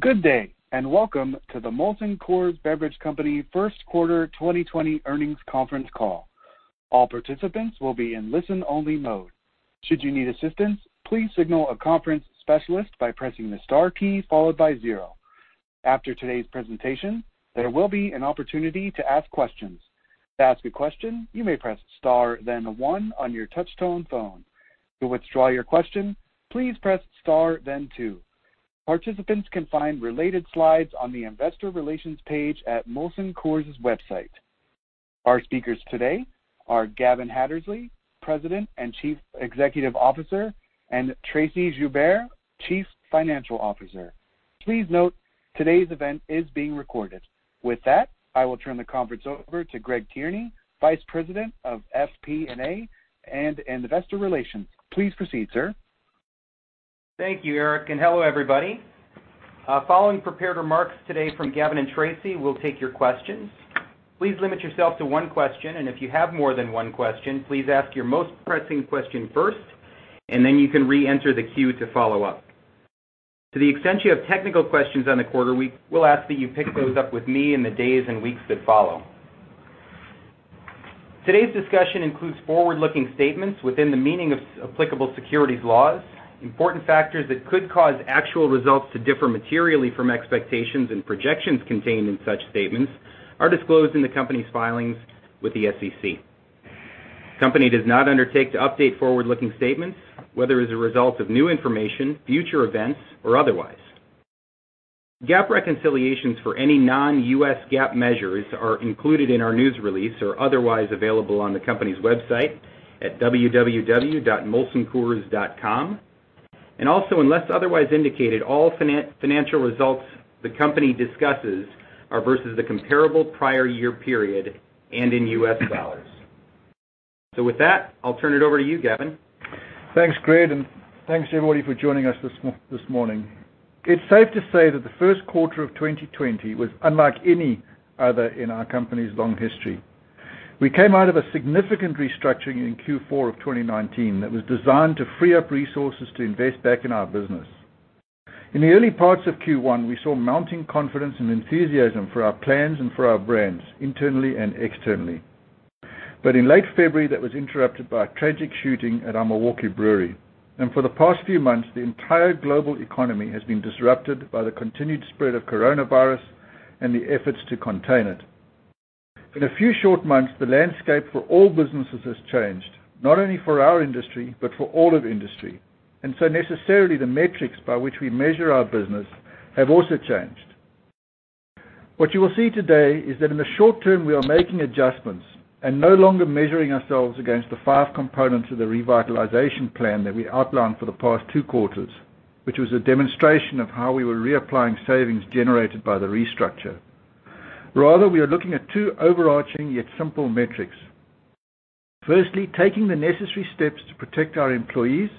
Good day, and welcome to the Molson Coors Beverage Company first quarter 2020 earnings conference call. All participants will be in listen only mode. Should you need assistance, please signal a conference specialist by pressing the star key followed by zero. After today's presentation, there will be an opportunity to ask questions. To ask a question, you may press star then one on your touch-tone phone. To withdraw your question, please press star then two. Participants can find related slides on the investor relations page at Molson Coors's website. Our speakers today are Gavin Hattersley, President and Chief Executive Officer, and Tracey Joubert, Chief Financial Officer. Please note, today's event is being recorded. With that, I will turn the conference over to Greg Tierney, Vice President of FP&A and Investor Relations. Please proceed, sir. Thank you, Eric, and hello, everybody. Following prepared remarks today from Gavin and Tracey, we'll take your questions. Please limit yourself to one question, and if you have more than one question, please ask your most pressing question first, and then you can re-enter the queue to follow up. To the extent you have technical questions on the quarter, we'll ask that you pick those up with me in the days and weeks that follow. Today's discussion includes forward-looking statements within the meaning of applicable securities laws. Important factors that could cause actual results to differ materially from expectations and projections contained in such statements are disclosed in the company's filings with the SEC. The company does not undertake to update forward-looking statements, whether as a result of new information, future events, or otherwise. GAAP reconciliations for any non-US GAAP measures are included in our news release or otherwise available on the company's website at www.molsoncoors.com. Unless otherwise indicated, all financial results the company discusses are versus the comparable prior year period and in US dollars. With that, I'll turn it over to you, Gavin. Thanks, Greg, and thanks everybody for joining us this morning. It's safe to say that the first quarter of 2020 was unlike any other in our company's long history. We came out of a significant restructuring in Q4 of 2019 that was designed to free up resources to invest back in our business. In the early parts of Q1, we saw mounting confidence and enthusiasm for our plans and for our brands, internally and externally. In late February, that was interrupted by a tragic shooting at our Milwaukee brewery. For the past few months, the entire global economy has been disrupted by the continued spread of coronavirus and the efforts to contain it. In a few short months, the landscape for all businesses has changed, not only for our industry, but for all of industry. Necessarily, the metrics by which we measure our business have also changed. What you will see today is that in the short term, we are making adjustments and no longer measuring ourselves against the five components of the revitalization plan that we outlined for the past two quarters, which was a demonstration of how we were reapplying savings generated by the restructure. Rather, we are looking at two overarching, yet simple metrics. Firstly, taking the necessary steps to protect our employees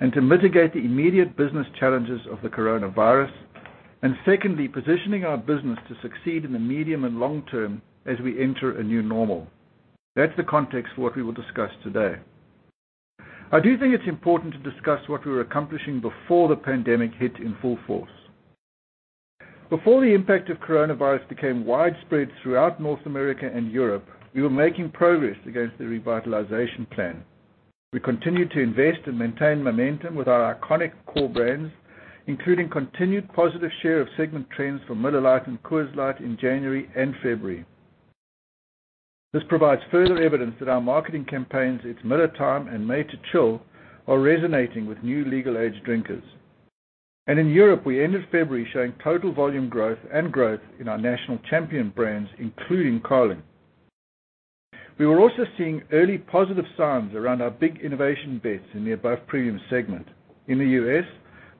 and to mitigate the immediate business challenges of the coronavirus. Secondly, positioning our business to succeed in the medium and long term as we enter a new normal. That's the context for what we will discuss today. I do think it's important to discuss what we were accomplishing before the pandemic hit in full force. Before the impact of coronavirus became widespread throughout North America and Europe, we were making progress against the revitalization plan. We continued to invest and maintain momentum with our iconic core brands, including continued positive share of segment trends for Miller Lite and Coors Light in January and February. This provides further evidence that our marketing campaigns, It's Miller Time and Made to Chill, are resonating with new legal age drinkers. In Europe, we ended February showing total volume growth and growth in our national champion brands, including Carling. We were also seeing early positive signs around our big innovation bets in the above premium segment. In the U.S.,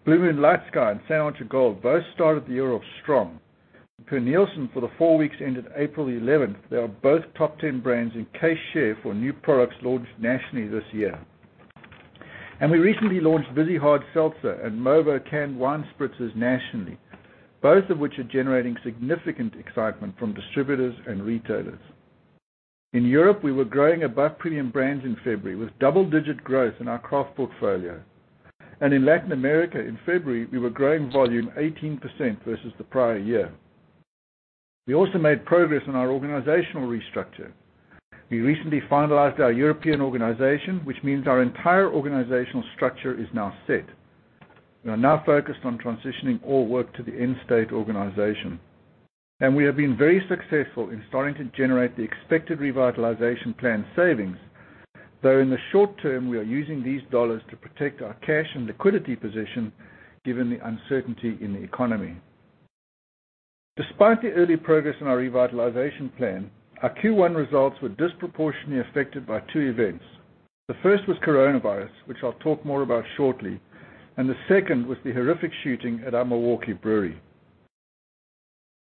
Blue Moon LightSky and Saint Archer Gold both started the year off strong. Per Nielsen, for the four weeks ended April the 11th, they are both top 10 brands in case share for new products launched nationally this year. We recently launched Vizzy Hard Seltzer and Movo canned wine spritzers nationally. Both of which are generating significant excitement from distributors and retailers. In Europe, we were growing above premium brands in February with double-digit growth in our craft portfolio. In Latin America, in February, we were growing volume 18% versus the prior year. We also made progress in our organizational restructure. We recently finalized our European organization, which means our entire organizational structure is now set. We are now focused on transitioning all work to the end state organization, and we have been very successful in starting to generate the expected revitalization plan savings, though in the short term, we are using these Canadian dollars to protect our cash and liquidity position given the uncertainty in the economy. Despite the early progress in our revitalization plan, our Q1 results were disproportionately affected by two events. The first was coronavirus, which I'll talk more about shortly. The second was the horrific shooting at our Milwaukee brewery.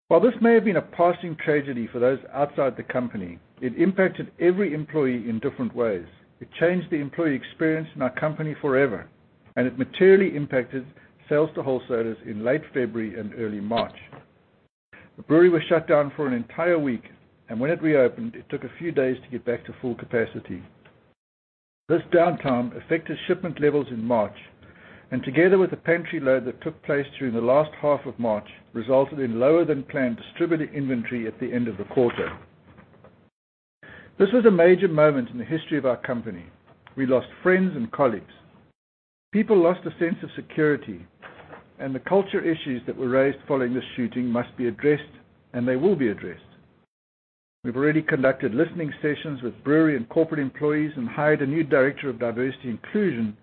While this may have been a passing tragedy for those outside the company, it impacted every employee in different ways. It changed the employee experience in our company forever. It materially impacted sales to wholesalers in late February and early March. The brewery was shut down for an entire week. When it reopened, it took a few days to get back to full capacity. This downtime affected shipment levels in March. Together with the pantry load that took place during the last half of March, resulted in lower than planned distributor inventory at the end of the quarter. This was a major moment in the history of our company. We lost friends and colleagues. People lost a sense of security, and the culture issues that were raised following this shooting must be addressed, and they will be addressed. We've already conducted listening sessions with brewery and corporate employees and hired a new director of Diversity Inclusion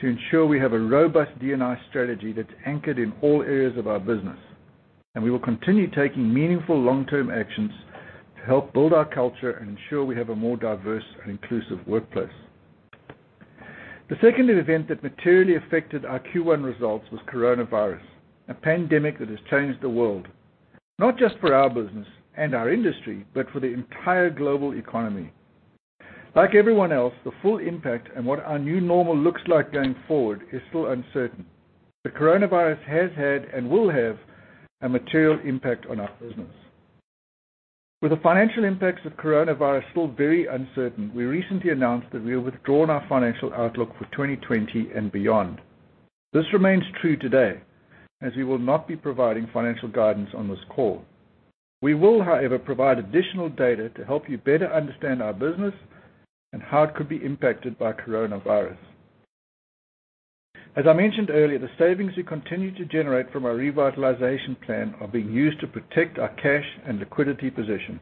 to ensure we have a robust D&I strategy that's anchored in all areas of our business. We will continue taking meaningful long-term actions to help build our culture and ensure we have a more diverse and inclusive workplace. The second event that materially affected our Q1 results was coronavirus, a pandemic that has changed the world, not just for our business and our industry, but for the entire global economy. Like everyone else, the full impact and what our new normal looks like going forward is still uncertain. The coronavirus has had and will have a material impact on our business. With the financial impacts of coronavirus still very uncertain, we recently announced that we have withdrawn our financial outlook for 2020 and beyond. This remains true today, as we will not be providing financial guidance on this call. We will, however, provide additional data to help you better understand our business and how it could be impacted by coronavirus. As I mentioned earlier, the savings we continue to generate from our revitalization plan are being used to protect our cash and liquidity position.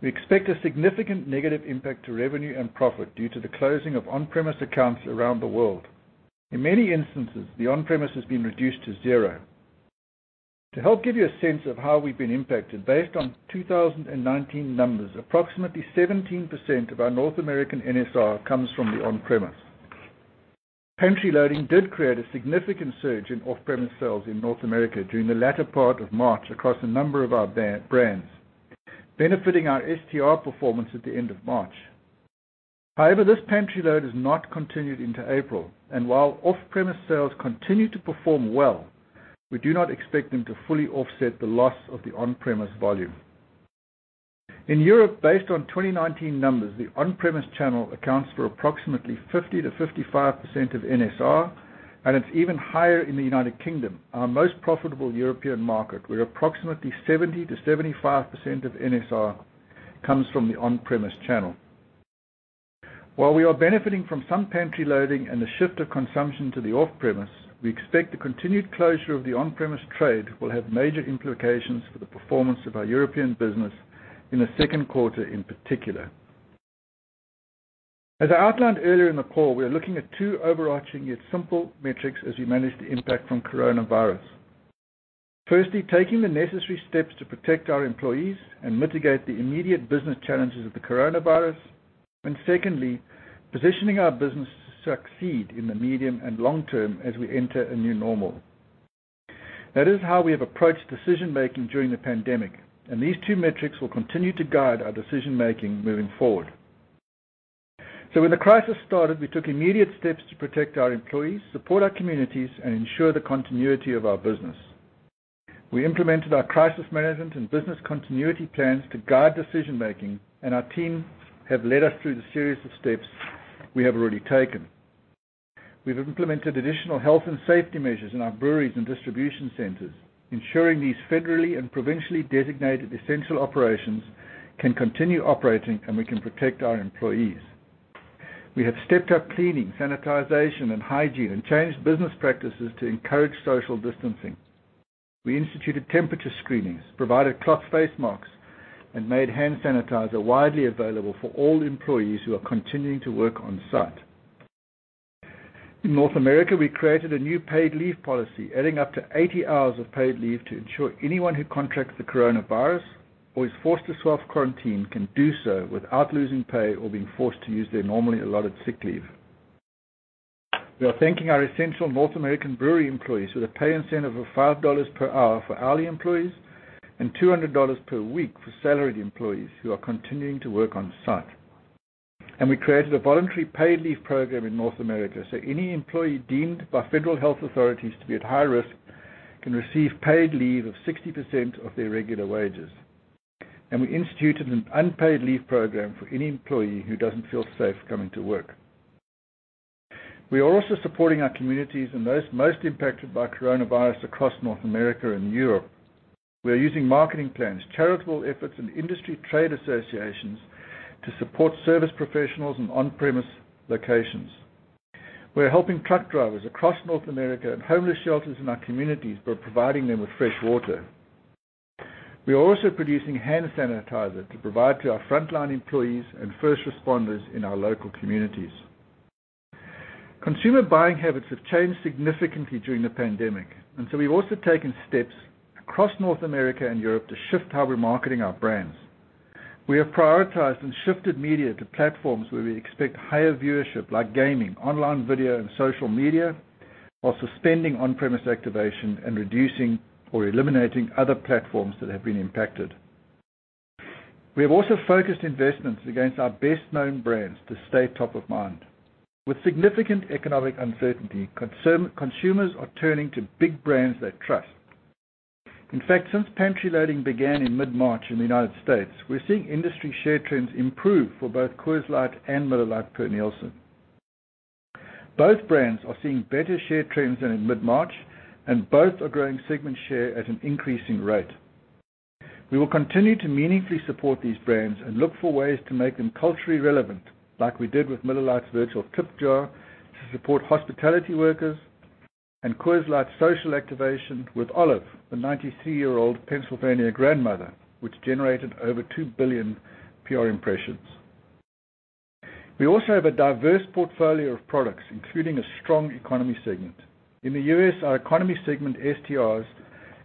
We expect a significant negative impact to revenue and profit due to the closing of on-premise accounts around the world. In many instances, the on-premise has been reduced to zero. To help give you a sense of how we've been impacted, based on 2019 numbers, approximately 17% of our North American NSR comes from the on-premise. Pantry loading did create a significant surge in off-premise sales in North America during the latter part of March across a number of our brands, benefiting our STR performance at the end of March. This pantry load has not continued into April, and while off-premise sales continue to perform well, we do not expect them to fully offset the loss of the on-premise volume. In Europe, based on 2019 numbers, the on-premise channel accounts for approximately 50%-55% of NSR, and it's even higher in the U.K., our most profitable European market, where approximately 70%-75% of NSR comes from the on-premise channel. We are benefiting from some pantry loading and the shift of consumption to the off-premise, we expect the continued closure of the on-premise trade will have major implications for the performance of our European business in the second quarter in particular. As I outlined earlier in the call, we are looking at two overarching, yet simple metrics as we manage the impact from coronavirus. Firstly, taking the necessary steps to protect our employees and mitigate the immediate business challenges of the coronavirus, and secondly, positioning our business to succeed in the medium and long term as we enter a new normal. That is how we have approached decision-making during the pandemic, and these two metrics will continue to guide our decision-making moving forward. When the crisis started, we took immediate steps to protect our employees, support our communities, and ensure the continuity of our business. We implemented our crisis management and business continuity plans to guide decision-making, and our team have led us through the series of steps we have already taken. We've implemented additional health and safety measures in our breweries and distribution centers, ensuring these federally and provincially designated essential operations can continue operating, and we can protect our employees. We have stepped up cleaning, sanitization, and hygiene, and changed business practices to encourage social distancing. We instituted temperature screenings, provided cloth face masks, and made hand sanitizer widely available for all employees who are continuing to work on-site. In North America, we created a new paid leave policy, adding up to 80 hours of paid leave to ensure anyone who contracts the coronavirus or is forced to self-quarantine can do so without losing pay or being forced to use their normally allotted sick leave. We are thanking our essential North American brewery employees with a pay incentive of $5 per hour for hourly employees and $200 per week for salaried employees who are continuing to work on-site. We created a voluntary paid leave program in North America, so any employee deemed by federal health authorities to be at high risk can receive paid leave of 60% of their regular wages. We instituted an unpaid leave program for any employee who doesn't feel safe coming to work. We are also supporting our communities and those most impacted by coronavirus across North America and Europe. We are using marketing plans, charitable efforts, and industry trade associations to support service professionals in on-premise locations. We are helping truck drivers across North America and homeless shelters in our communities by providing them with fresh water. We are also producing hand sanitizer to provide to our frontline employees and first responders in our local communities. Consumer buying habits have changed significantly during the pandemic. We've also taken steps across North America and Europe to shift how we're marketing our brands. We have prioritized and shifted media to platforms where we expect higher viewership, like gaming, online video, and social media, while suspending on-premise activation and reducing or eliminating other platforms that have been impacted. We have also focused investments against our best-known brands to stay top of mind. With significant economic uncertainty, consumers are turning to big brands they trust. In fact, since pantry loading began in mid-March in the U.S., we're seeing industry share trends improve for both Coors Light and Miller Lite, per Nielsen. Both brands are seeing better share trends than in mid-March, and both are growing segment share at an increasing rate. We will continue to meaningfully support these brands and look for ways to make them culturally relevant, like we did with Miller Lite's virtual tip jar to support hospitality workers and Coors Light's social activation with Olive, the 93-year-old Pennsylvania grandmother, which generated over 2 billion PR impressions. We also have a diverse portfolio of products, including a strong economy segment. In the U.S., our economy segment STRs,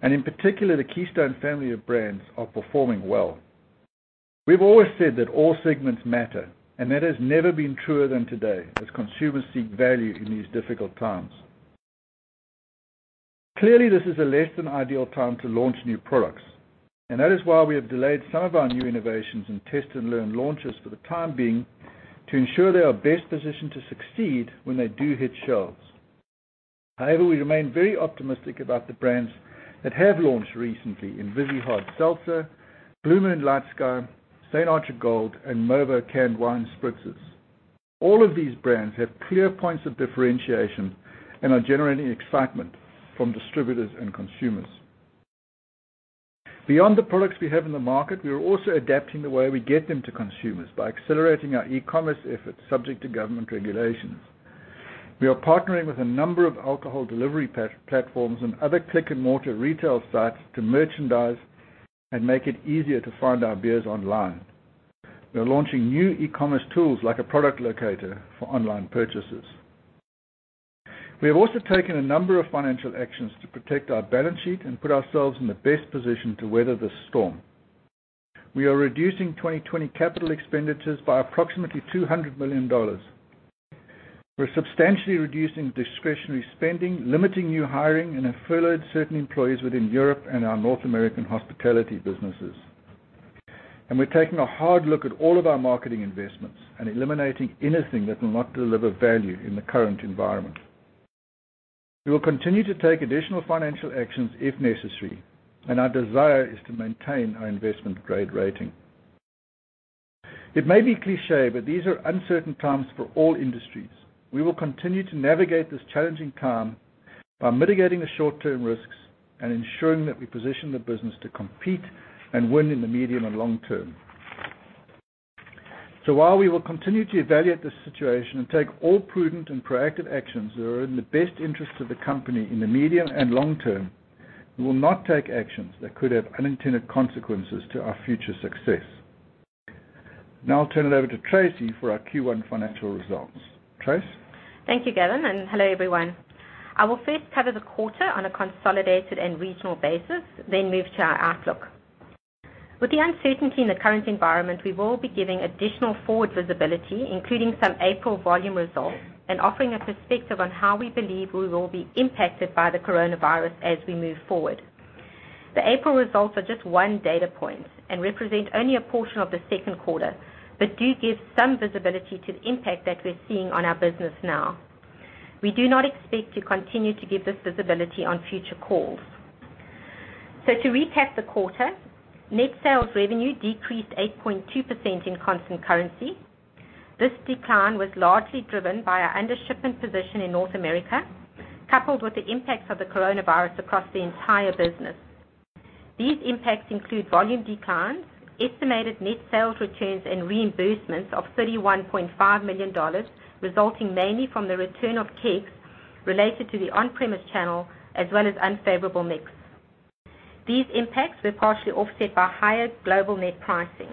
and in particular, the Keystone family of brands, are performing well. We've always said that all segments matter, and that has never been truer than today as consumers seek value in these difficult times. Clearly, this is a less than ideal time to launch new products, and that is why we have delayed some of our new innovations and test and learn launches for the time being to ensure they are best positioned to succeed when they do hit shelves. However, we remain very optimistic about the brands that have launched recently in Vizzy Hard Seltzer, Blue Moon LightSky, Saint Archer Gold, and Movo canned wine spritzers. All of these brands have clear points of differentiation and are generating excitement from distributors and consumers. Beyond the products we have in the market, we are also adapting the way we get them to consumers by accelerating our e-commerce efforts subject to government regulations. We are partnering with a number of alcohol delivery platforms and other click-and-mortar retail sites to merchandise and make it easier to find our beers online. We are launching new e-commerce tools like a product locator for online purchases. We have also taken a number of financial actions to protect our balance sheet and put ourselves in the best position to weather this storm. We are reducing 2020 capital expenditures by approximately $200 million. We're substantially reducing discretionary spending, limiting new hiring, and have furloughed certain employees within Europe and our North American hospitality businesses. We're taking a hard look at all of our marketing investments and eliminating anything that will not deliver value in the current environment. We will continue to take additional financial actions if necessary, and our desire is to maintain our investment grade rating. It may be cliché, but these are uncertain times for all industries. We will continue to navigate this challenging time by mitigating the short-term risks and ensuring that we position the business to compete and win in the medium and long term. While we will continue to evaluate this situation and take all prudent and proactive actions that are in the best interest of the company in the medium and long term, we will not take actions that could have unintended consequences to our future success. Now I'll turn it over to Tracey for our Q1 financial results. Trace? Thank you, Gavin. Hello, everyone. I will first cover the quarter on a consolidated and regional basis, then move to our outlook. With the uncertainty in the current environment, we will be giving additional forward visibility, including some April volume results, and offering a perspective on how we believe we will be impacted by the coronavirus as we move forward. The April results are just one data point and represent only a portion of the second quarter, but do give some visibility to the impact that we're seeing on our business now. We do not expect to continue to give this visibility on future calls. To recap the quarter, net sales revenue decreased 8.2% in constant currency. This decline was largely driven by our undershipment position in North America, coupled with the impacts of the coronavirus across the entire business. These impacts include volume declines, estimated net sales returns and reimbursements of $31.5 million, resulting mainly from the return of kegs related to the on-premise channel as well as unfavorable mix. These impacts were partially offset by higher global net pricing.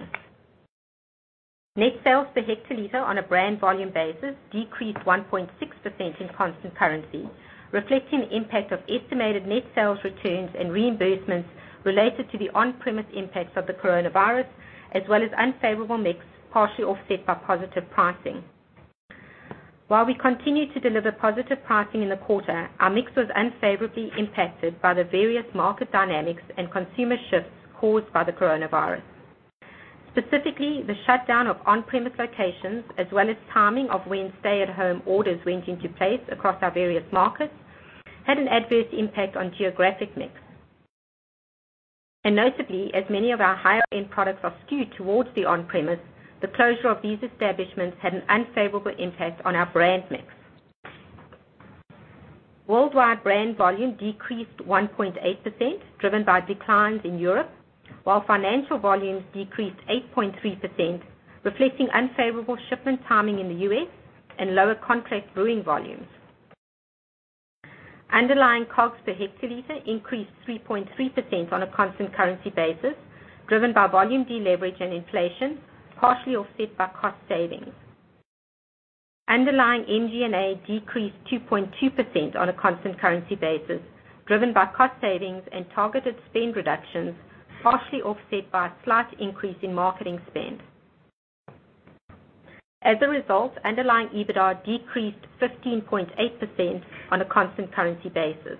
Net sales per hectoliter on a brand volume basis decreased 1.6% in constant currency, reflecting the impact of estimated net sales returns and reimbursements related to the on-premise impacts of the coronavirus, as well as unfavorable mix, partially offset by positive pricing. While we continued to deliver positive pricing in the quarter, our mix was unfavorably impacted by the various market dynamics and consumer shifts caused by the coronavirus. Specifically, the shutdown of on-premise locations, as well as timing of when stay-at-home orders went into place across our various markets, had an adverse impact on geographic mix. Notably, as many of our higher end products are skewed towards the on-premise, the closure of these establishments had an unfavorable impact on our brand mix. Worldwide brand volume decreased 1.8%, driven by declines in Europe, while financial volumes decreased 8.3%, reflecting unfavorable shipment timing in the U.S. and lower contract brewing volumes. Underlying COGS per hectoliter increased 3.3% on a constant currency basis, driven by volume deleverage and inflation, partially offset by cost savings. Underlying SG&A decreased 2.2% on a constant currency basis, driven by cost savings and targeted spend reductions, partially offset by a slight increase in marketing spend. As a result, underlying EBITDA decreased 15.8% on a constant currency basis.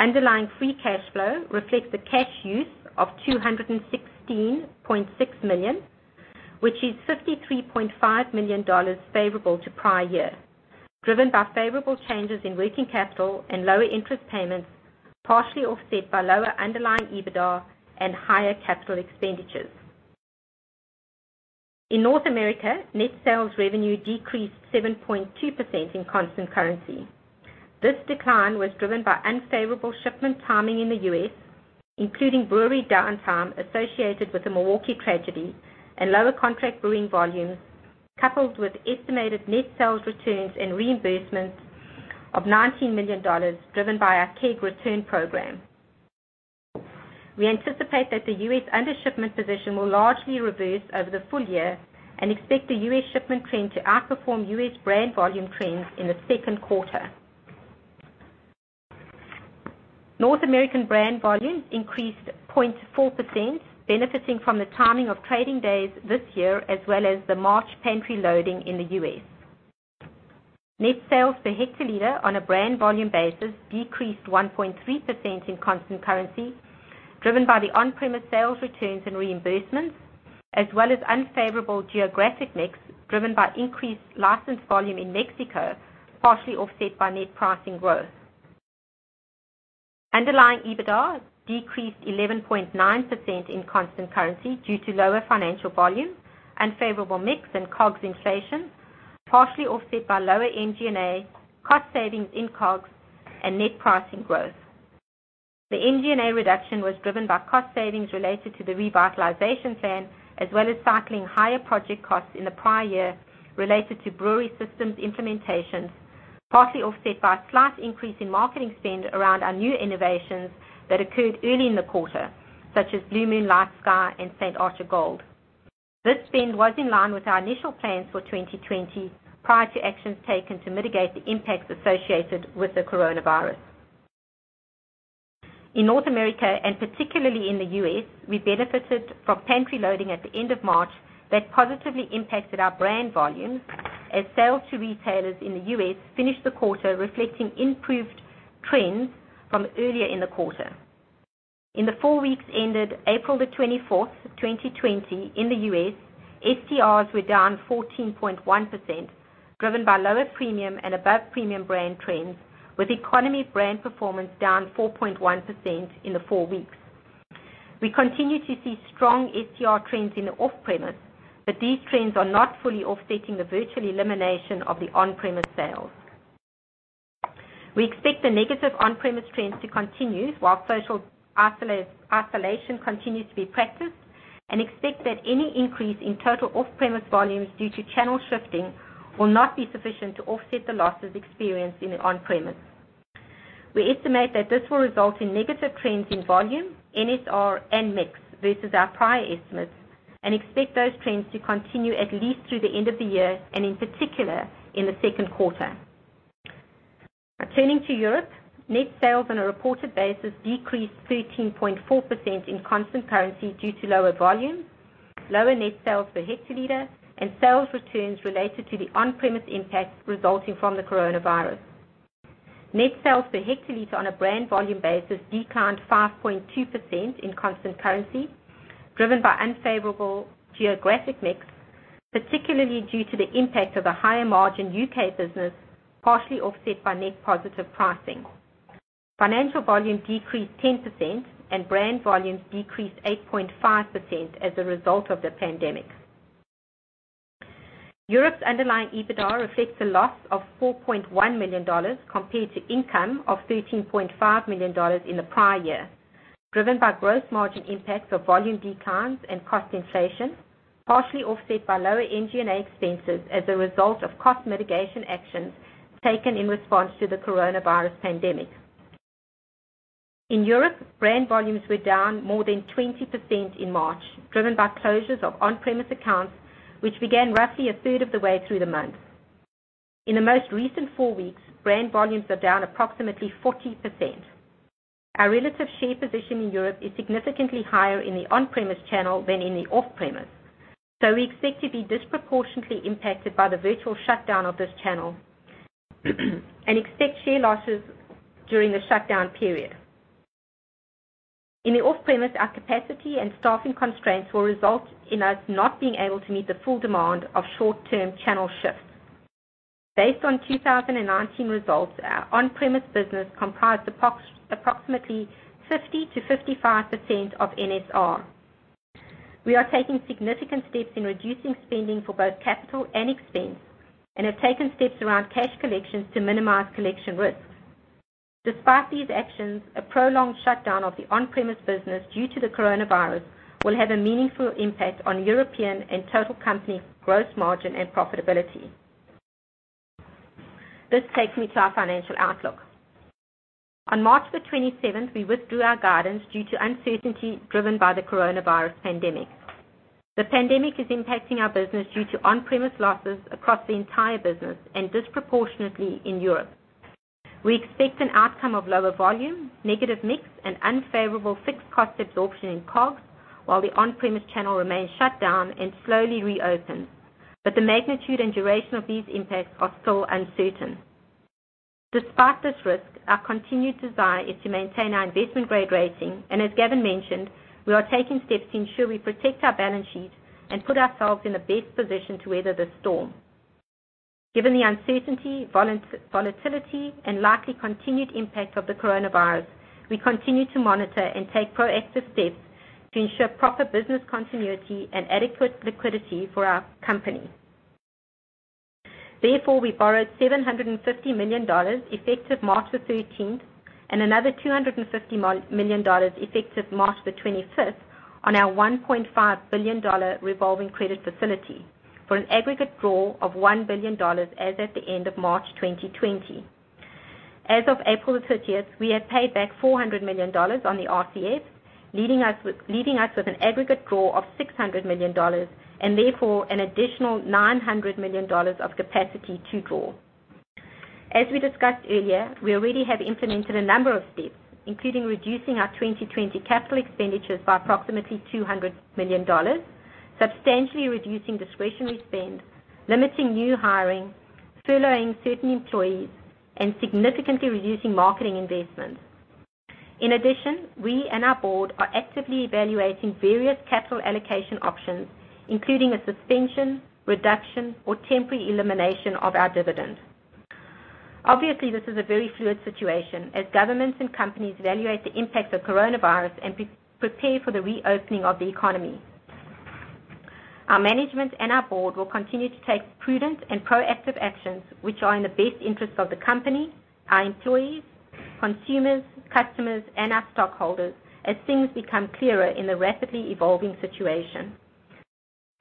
Underlying free cash flow reflects the cash use of $216.6 million, which is $53.5 million favorable to prior year, driven by favorable changes in working capital and lower interest payments, partially offset by lower underlying EBITDA and higher capital expenditures. In North America, net sales revenue decreased 7.2% in constant currency. This decline was driven by unfavorable shipment timing in the U.S., including brewery downtime associated with the Milwaukee tragedy, and lower contract brewing volumes, coupled with estimated net sales returns and reimbursements of $19 million, driven by our keg return program. We anticipate that the U.S. undershipment position will largely reverse over the full year, and expect the U.S. shipment trend to outperform U.S. brand volume trends in the second quarter. North American brand volumes increased 0.4%, benefiting from the timing of trading days this year, as well as the March pantry loading in the U.S. Net sales per hectoliter on a brand volume basis decreased 1.3% in constant currency, driven by the on-premise sales returns and reimbursements, as well as unfavorable geographic mix driven by increased license volume in Mexico, partially offset by net pricing growth. Underlying EBITDA decreased 11.9% in constant currency due to lower financial volume, unfavorable mix, and COGS inflation, partially offset by lower SG&A, cost savings in COGS, and net pricing growth. The SG&A reduction was driven by cost savings related to the revitalization plan, as well as cycling higher project costs in the prior year related to brewery systems implementations, partially offset by a slight increase in marketing spend around our new innovations that occurred early in the quarter, such as Blue Moon LightSky and Saint Archer Gold. This spend was in line with our initial plans for 2020, prior to actions taken to mitigate the impacts associated with the coronavirus. In North America, and particularly in the U.S., we benefited from pantry loading at the end of March that positively impacted our brand volumes, as sales to retailers in the U.S. finished the quarter reflecting improved trends from earlier in the quarter. In the four weeks ended April 24th, 2020, in the U.S., STRs were down 14.1%, driven by lower premium and above-premium brand trends, with economy brand performance down 4.1% in the four weeks. We continue to see strong STR trends in the off-premise, these trends are not fully offsetting the virtual elimination of the on-premise sales. We expect the negative on-premise trends to continue while social isolation continues to be practiced, and expect that any increase in total off-premise volumes due to channel shifting will not be sufficient to offset the losses experienced in on-premise. We estimate that this will result in negative trends in volume, NSR, and mix versus our prior estimates, and expect those trends to continue at least through the end of the year and in particular in the second quarter. Turning to Europe, net sales on a reported basis decreased 13.4% in constant currency due to lower volumes, lower net sales per hectoliter, and sales returns related to the on-premise impacts resulting from the coronavirus. Net sales per hectoliter on a brand volume basis declined 5.2% in constant currency, driven by unfavorable geographic mix, particularly due to the impact of the higher margin U.K. business, partially offset by net positive pricing. Financial volume decreased 10% and brand volumes decreased 8.5% as a result of the pandemic. Europe's underlying EBITDA reflects a loss of $4.1 million compared to income of $13.5 million in the prior year, driven by gross margin impacts of volume declines and cost inflation, partially offset by lower SG&A expenses as a result of cost mitigation actions taken in response to the coronavirus pandemic. In Europe, brand volumes were down more than 20% in March, driven by closures of on-premise accounts, which began roughly a third of the way through the month. In the most recent four weeks, brand volumes are down approximately 40%. Our relative share position in Europe is significantly higher in the on-premise channel than in the off-premise. We expect to be disproportionately impacted by the virtual shutdown of this channel and expect share losses during the shutdown period. In the off-premise, our capacity and staffing constraints will result in us not being able to meet the full demand of short-term channel shifts. Based on 2019 results, our on-premise business comprised approximately 50%-55% of NSR. We are taking significant steps in reducing spending for both capital and expense and have taken steps around cash collections to minimize collection risks. Despite these actions, a prolonged shutdown of the on-premise business due to the coronavirus will have a meaningful impact on European and total company gross margin and profitability. This takes me to our financial outlook. On March 27th, we withdrew our guidance due to uncertainty driven by the coronavirus pandemic. The pandemic is impacting our business due to on-premise losses across the entire business and disproportionately in Europe. We expect an outcome of lower volume, negative mix, and unfavorable fixed cost absorption in COGS, while the on-premise channel remains shut down and slowly reopens. The magnitude and duration of these impacts are still uncertain. Despite this risk, our continued desire is to maintain our investment-grade rating. As Gavin mentioned, we are taking steps to ensure we protect our balance sheet and put ourselves in the best position to weather this storm. Given the uncertainty, volatility, and likely continued impact of the coronavirus, we continue to monitor and take proactive steps to ensure proper business continuity and adequate liquidity for our company. We borrowed $750 million effective March the 13th, and another $250 million effective March the 25th on our $1.5 billion revolving credit facility for an aggregate draw of $1 billion as at the end of March 2020. As of April the 30th, we have paid back $400 million on the RCF, leaving us with an aggregate draw of $600 million and therefore an additional $900 million of capacity to draw. As we discussed earlier, we already have implemented a number of steps, including reducing our 2020 capital expenditures by approximately $200 million, substantially reducing discretionary spend, limiting new hiring, furloughing certain employees, and significantly reducing marketing investments. We and our board are actively evaluating various capital allocation options, including a suspension, reduction, or temporary elimination of our dividend. Obviously, this is a very fluid situation as governments and companies evaluate the impact of coronavirus and prepare for the reopening of the economy. Our management and our board will continue to take prudent and proactive actions which are in the best interest of the company, our employees, consumers, customers, and our stockholders as things become clearer in the rapidly evolving situation.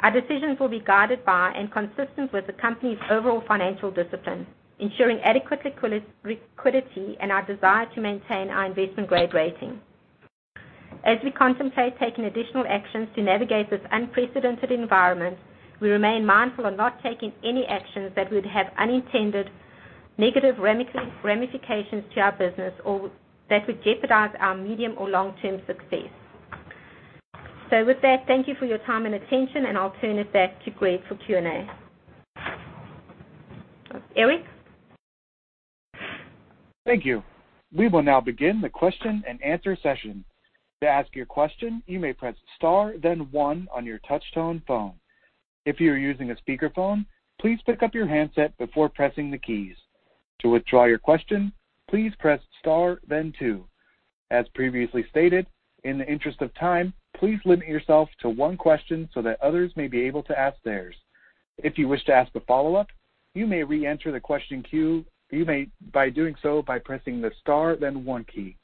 Our decisions will be guided by and consistent with the company's overall financial discipline, ensuring adequate liquidity and our desire to maintain our investment-grade rating. As we contemplate taking additional actions to navigate this unprecedented environment, we remain mindful of not taking any actions that would have unintended negative ramifications to our business or that would jeopardize our medium or long-term success. With that, thank you for your time and attention, and I'll turn it back to Greg for Q&A. Eric? Thank you. We will now begin the question and answer session. To ask your question, you may press star then one on your touchtone phone. If you are using a speakerphone, please pick up your handset before pressing the keys. To withdraw your question, please press star then two. As previously stated, in the interest of time, please limit yourself to one question so that others may be able to ask theirs. If you wish to ask a follow-up, you may reenter the question queue by doing so by pressing the star then one key.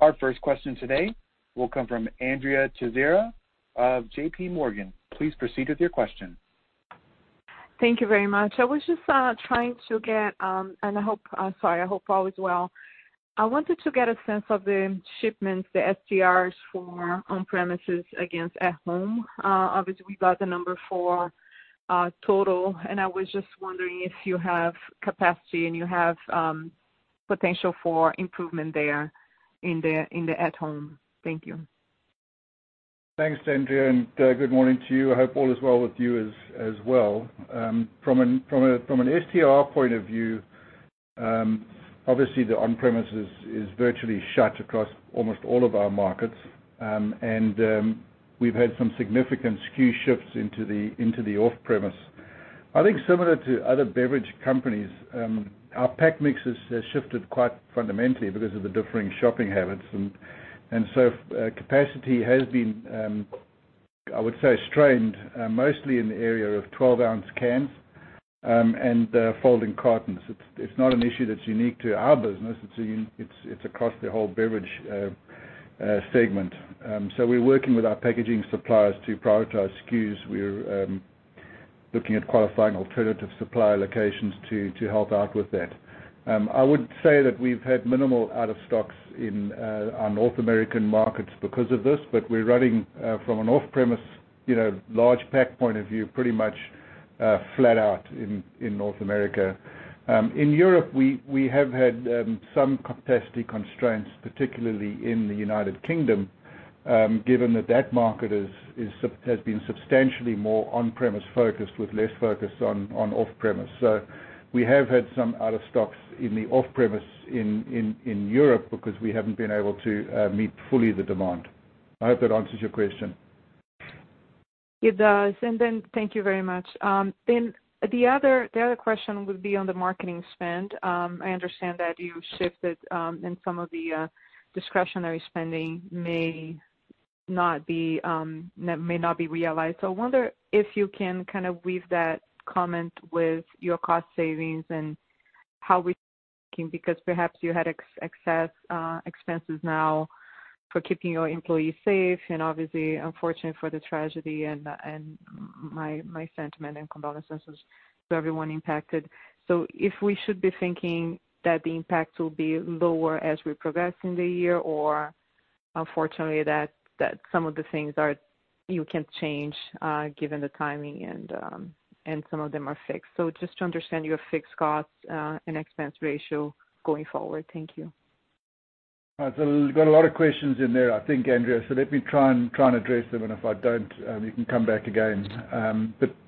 Our first question today will come from Andrea Teixeira of JPMorgan. Please proceed with your question. Thank you very much. I was just trying to get, I hope all is well. I wanted to get a sense of the shipments, the STRs for on-premises against at home. We got the number for total, I was just wondering if you have capacity and you have potential for improvement there in the at home. Thank you. Thanks, Andrea. Good morning to you. I hope all is well with you as well. From an STR point of view, obviously the on-premise is virtually shut across almost all of our markets, and we've had some significant SKU shifts into the off-premise. I think similar to other beverage companies, our pack mix has shifted quite fundamentally because of the differing shopping habits. Capacity has been, I would say, strained, mostly in the area of 12-ounce cans, and folding cartons. It's not an issue that's unique to our business. It's across the whole beverage segment. We're working with our packaging suppliers to prioritize SKUs. We're looking at qualifying alternative supply locations to help out with that. I would say that we've had minimal out of stocks in our North American markets because of this, but we're running from an off-premise large pack point of view, pretty much flat out in North America. In Europe, we have had some capacity constraints, particularly in the United Kingdom, given that that market has been substantially more on-premise focused with less focus on off-premise. We have had some out of stocks in the off-premise in Europe because we haven't been able to meet fully the demand. I hope that answers your question. It does. Thank you very much. The other question would be on the marketing spend. I understand that you shifted and some of the discretionary spending may not be realized. I wonder if you can kind of weave that comment with your cost savings and how we can, because perhaps you had excess expenses now for keeping your employees safe, and obviously unfortunate for the tragedy and my sentiment and condolences to everyone impacted. If we should be thinking that the impact will be lower as we progress in the year or unfortunately, some of the things you can't change given the timing, and some of them are fixed. Just to understand your fixed costs and expense ratio going forward. Thank you. All right. You got a lot of questions in there, I think, Andrea. Let me try and address them, and if I don't, you can come back again.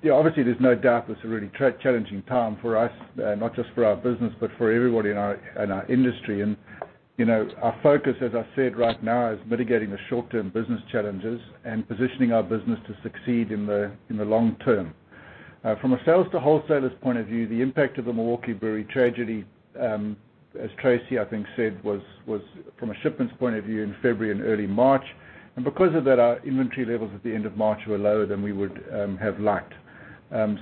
Yeah, obviously, there's no doubt it's a really challenging time for us, not just for our business, but for everybody in our industry. Our focus, as I said, right now, is mitigating the short-term business challenges and positioning our business to succeed in the long term. From a sales to wholesalers point of view, the impact of the Milwaukee Brewery tragedy, as Tracey, I think, said, was from a shipments point of view in February and early March. Because of that, our inventory levels at the end of March were lower than we would have liked.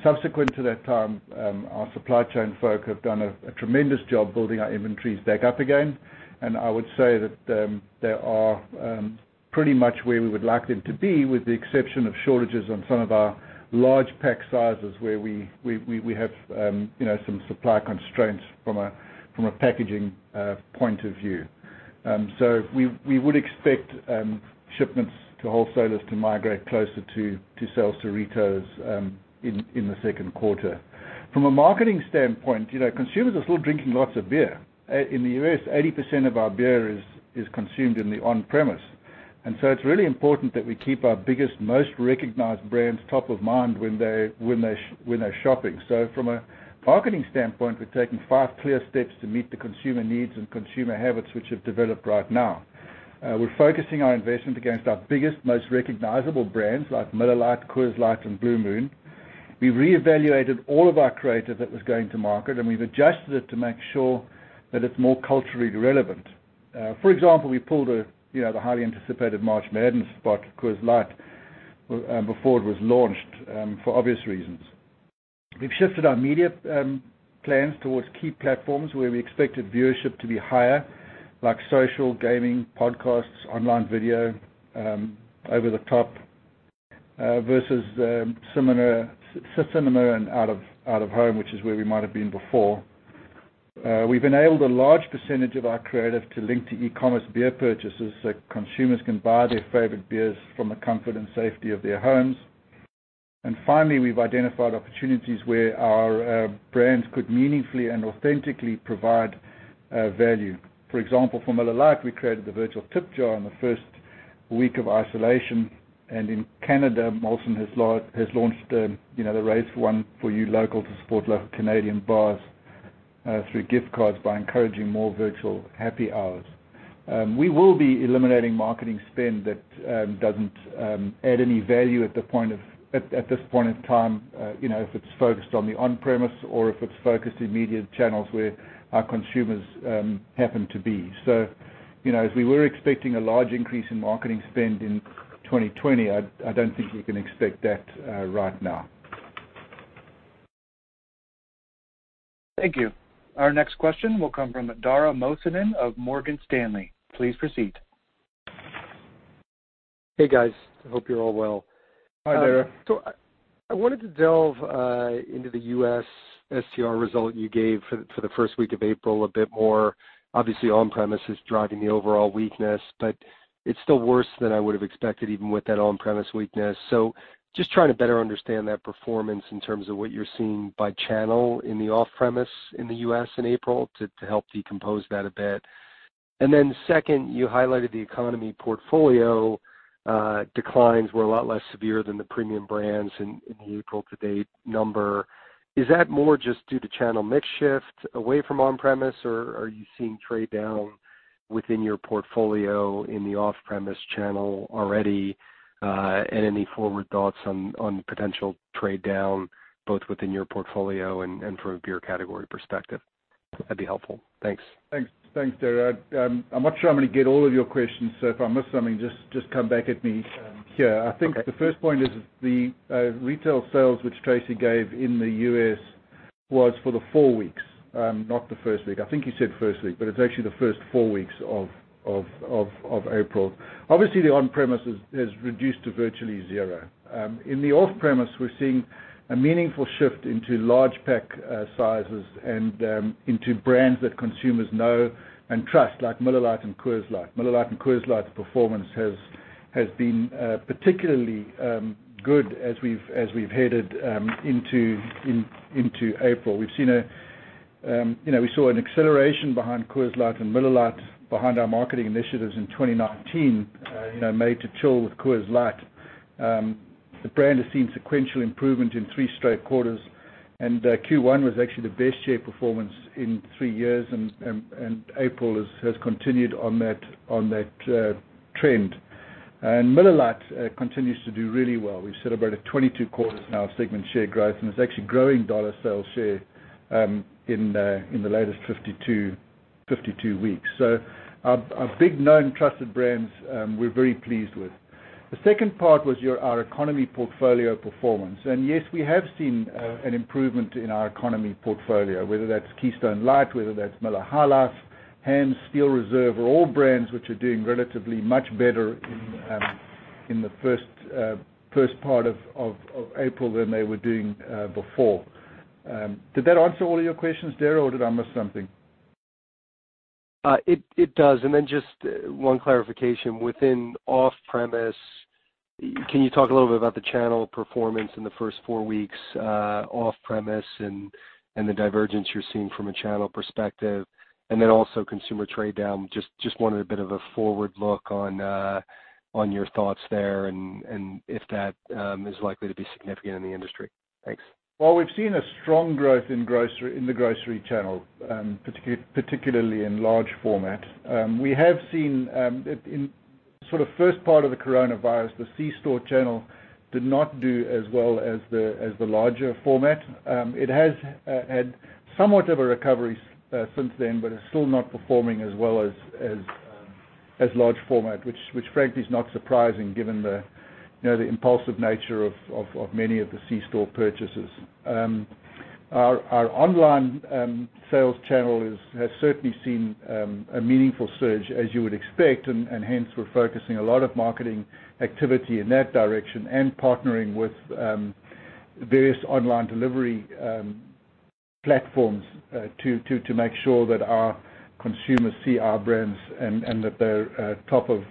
Subsequent to that time, our supply chain folk have done a tremendous job building our inventories back up again. I would say that they are pretty much where we would like them to be, with the exception of shortages on some of our large pack sizes where we have some supply constraints from a packaging point of view. We would expect shipments to wholesalers to migrate closer to sales to retails in the second quarter. From a marketing standpoint, consumers are still drinking lots of beer. In the U.S., 80% of our beer is consumed in the on-premise. It's really important that we keep our biggest, most recognized brands top of mind when they're shopping. From a marketing standpoint, we're taking five clear steps to meet the consumer needs and consumer habits which have developed right now. We're focusing our investment against our biggest, most recognizable brands like Miller Lite, Coors Light, and Blue Moon. We reevaluated all of our creative that was going to market, and we've adjusted it to make sure that it's more culturally relevant. For example, we pulled the highly anticipated March Madness spot for Coors Light before it was launched, for obvious reasons. We've shifted our media plans towards key platforms where we expected viewership to be higher, like social, gaming, podcasts, online video, over-the-top, versus cinema and out-of-home, which is where we might have been before. We've enabled a large percentage of our creative to link to e-commerce beer purchases, so consumers can buy their favorite beers from the comfort and safety of their homes. Finally, we've identified opportunities where our brands could meaningfully and authentically provide value. For example, for Miller Lite, we created the virtual tip jar in the first week of isolation. In Canada, Molson has launched the Raise One For Your Local to support local Canadian bars through gift cards by encouraging more virtual happy hours. We will be eliminating marketing spend that doesn't add any value at this point in time, if it's focused on the on-premise or if it's focused in media channels where our consumers happen to be. As we were expecting a large increase in marketing spend in 2020, I don't think we can expect that right now. Thank you. Our next question will come from Dara Mohsenian of Morgan Stanley. Please proceed. Hey, guys. Hope you're all well. Hi, Dara. I wanted to delve into the U.S. STR result you gave for the first week of April a bit more. Obviously, on-premise is driving the overall weakness, but it's still worse than I would have expected, even with that on-premise weakness. Just trying to better understand that performance in terms of what you're seeing by channel in the off-premise in the U.S. in April, to help decompose that a bit. Second, you highlighted the economy portfolio declines were a lot less severe than the premium brands in the April to date number. Is that more just due to channel mix shift away from on-premise, or are you seeing trade down within your portfolio in the off-premise channel already? Any forward thoughts on potential trade down, both within your portfolio and from a beer category perspective? That'd be helpful. Thanks. Thanks, Dara. I'm not sure I'm going to get all of your questions. If I miss something, just come back at me here. Okay. I think the first point is the retail sales, which Tracey gave in the U.S. was for the four weeks, not the first week. I think you said first week, it's actually the first 4 weeks of April. Obviously, the on-premise has reduced to virtually zero. In the off-premise, we're seeing a meaningful shift into large pack sizes and into brands that consumers know and trust, like Miller Lite and Coors Light. Miller Lite and Coors Light performance has been particularly good as we've headed into April. We saw an acceleration behind Coors Light and Miller Lite behind our marketing initiatives in 2019, Made to Chill with Coors Light. The brand has seen sequential improvement in three straight quarters, Q1 was actually the best share performance in three years, April has continued on that trend. Miller Lite continues to do really well. We've celebrated 22 quarters now of segment share growth. It's actually growing dollar sales share in the latest 52 weeks. Our big known trusted brands we're very pleased with. The second part was our economy portfolio performance. Yes, we have seen an improvement in our economy portfolio, whether that's Keystone Light, whether that's Miller High Life, Hamm's, Steel Reserve, are all brands which are doing relatively much better In the first part of April than they were doing before. Did that answer all of your questions, Dara, or did I miss something? It does. Just one clarification, within off-premise, can you talk a little bit about the channel performance in the first four weeks off-premise and the divergence you're seeing from a channel perspective? Also consumer trade down, just wanted a bit of a forward look on your thoughts there and if that is likely to be significant in the industry. Thanks. Well, we've seen a strong growth in the grocery channel, particularly in large format. We have seen in sort of first part of the coronavirus, the C-store channel did not do as well as the larger format. It has had somewhat of a recovery since then, but it's still not performing as well as large format, which frankly is not surprising given the impulsive nature of many of the C-store purchases. Our online sales channel has certainly seen a meaningful surge, as you would expect, and hence we're focusing a lot of marketing activity in that direction and partnering with various online delivery platforms to make sure that our consumers see our brands and that they're top of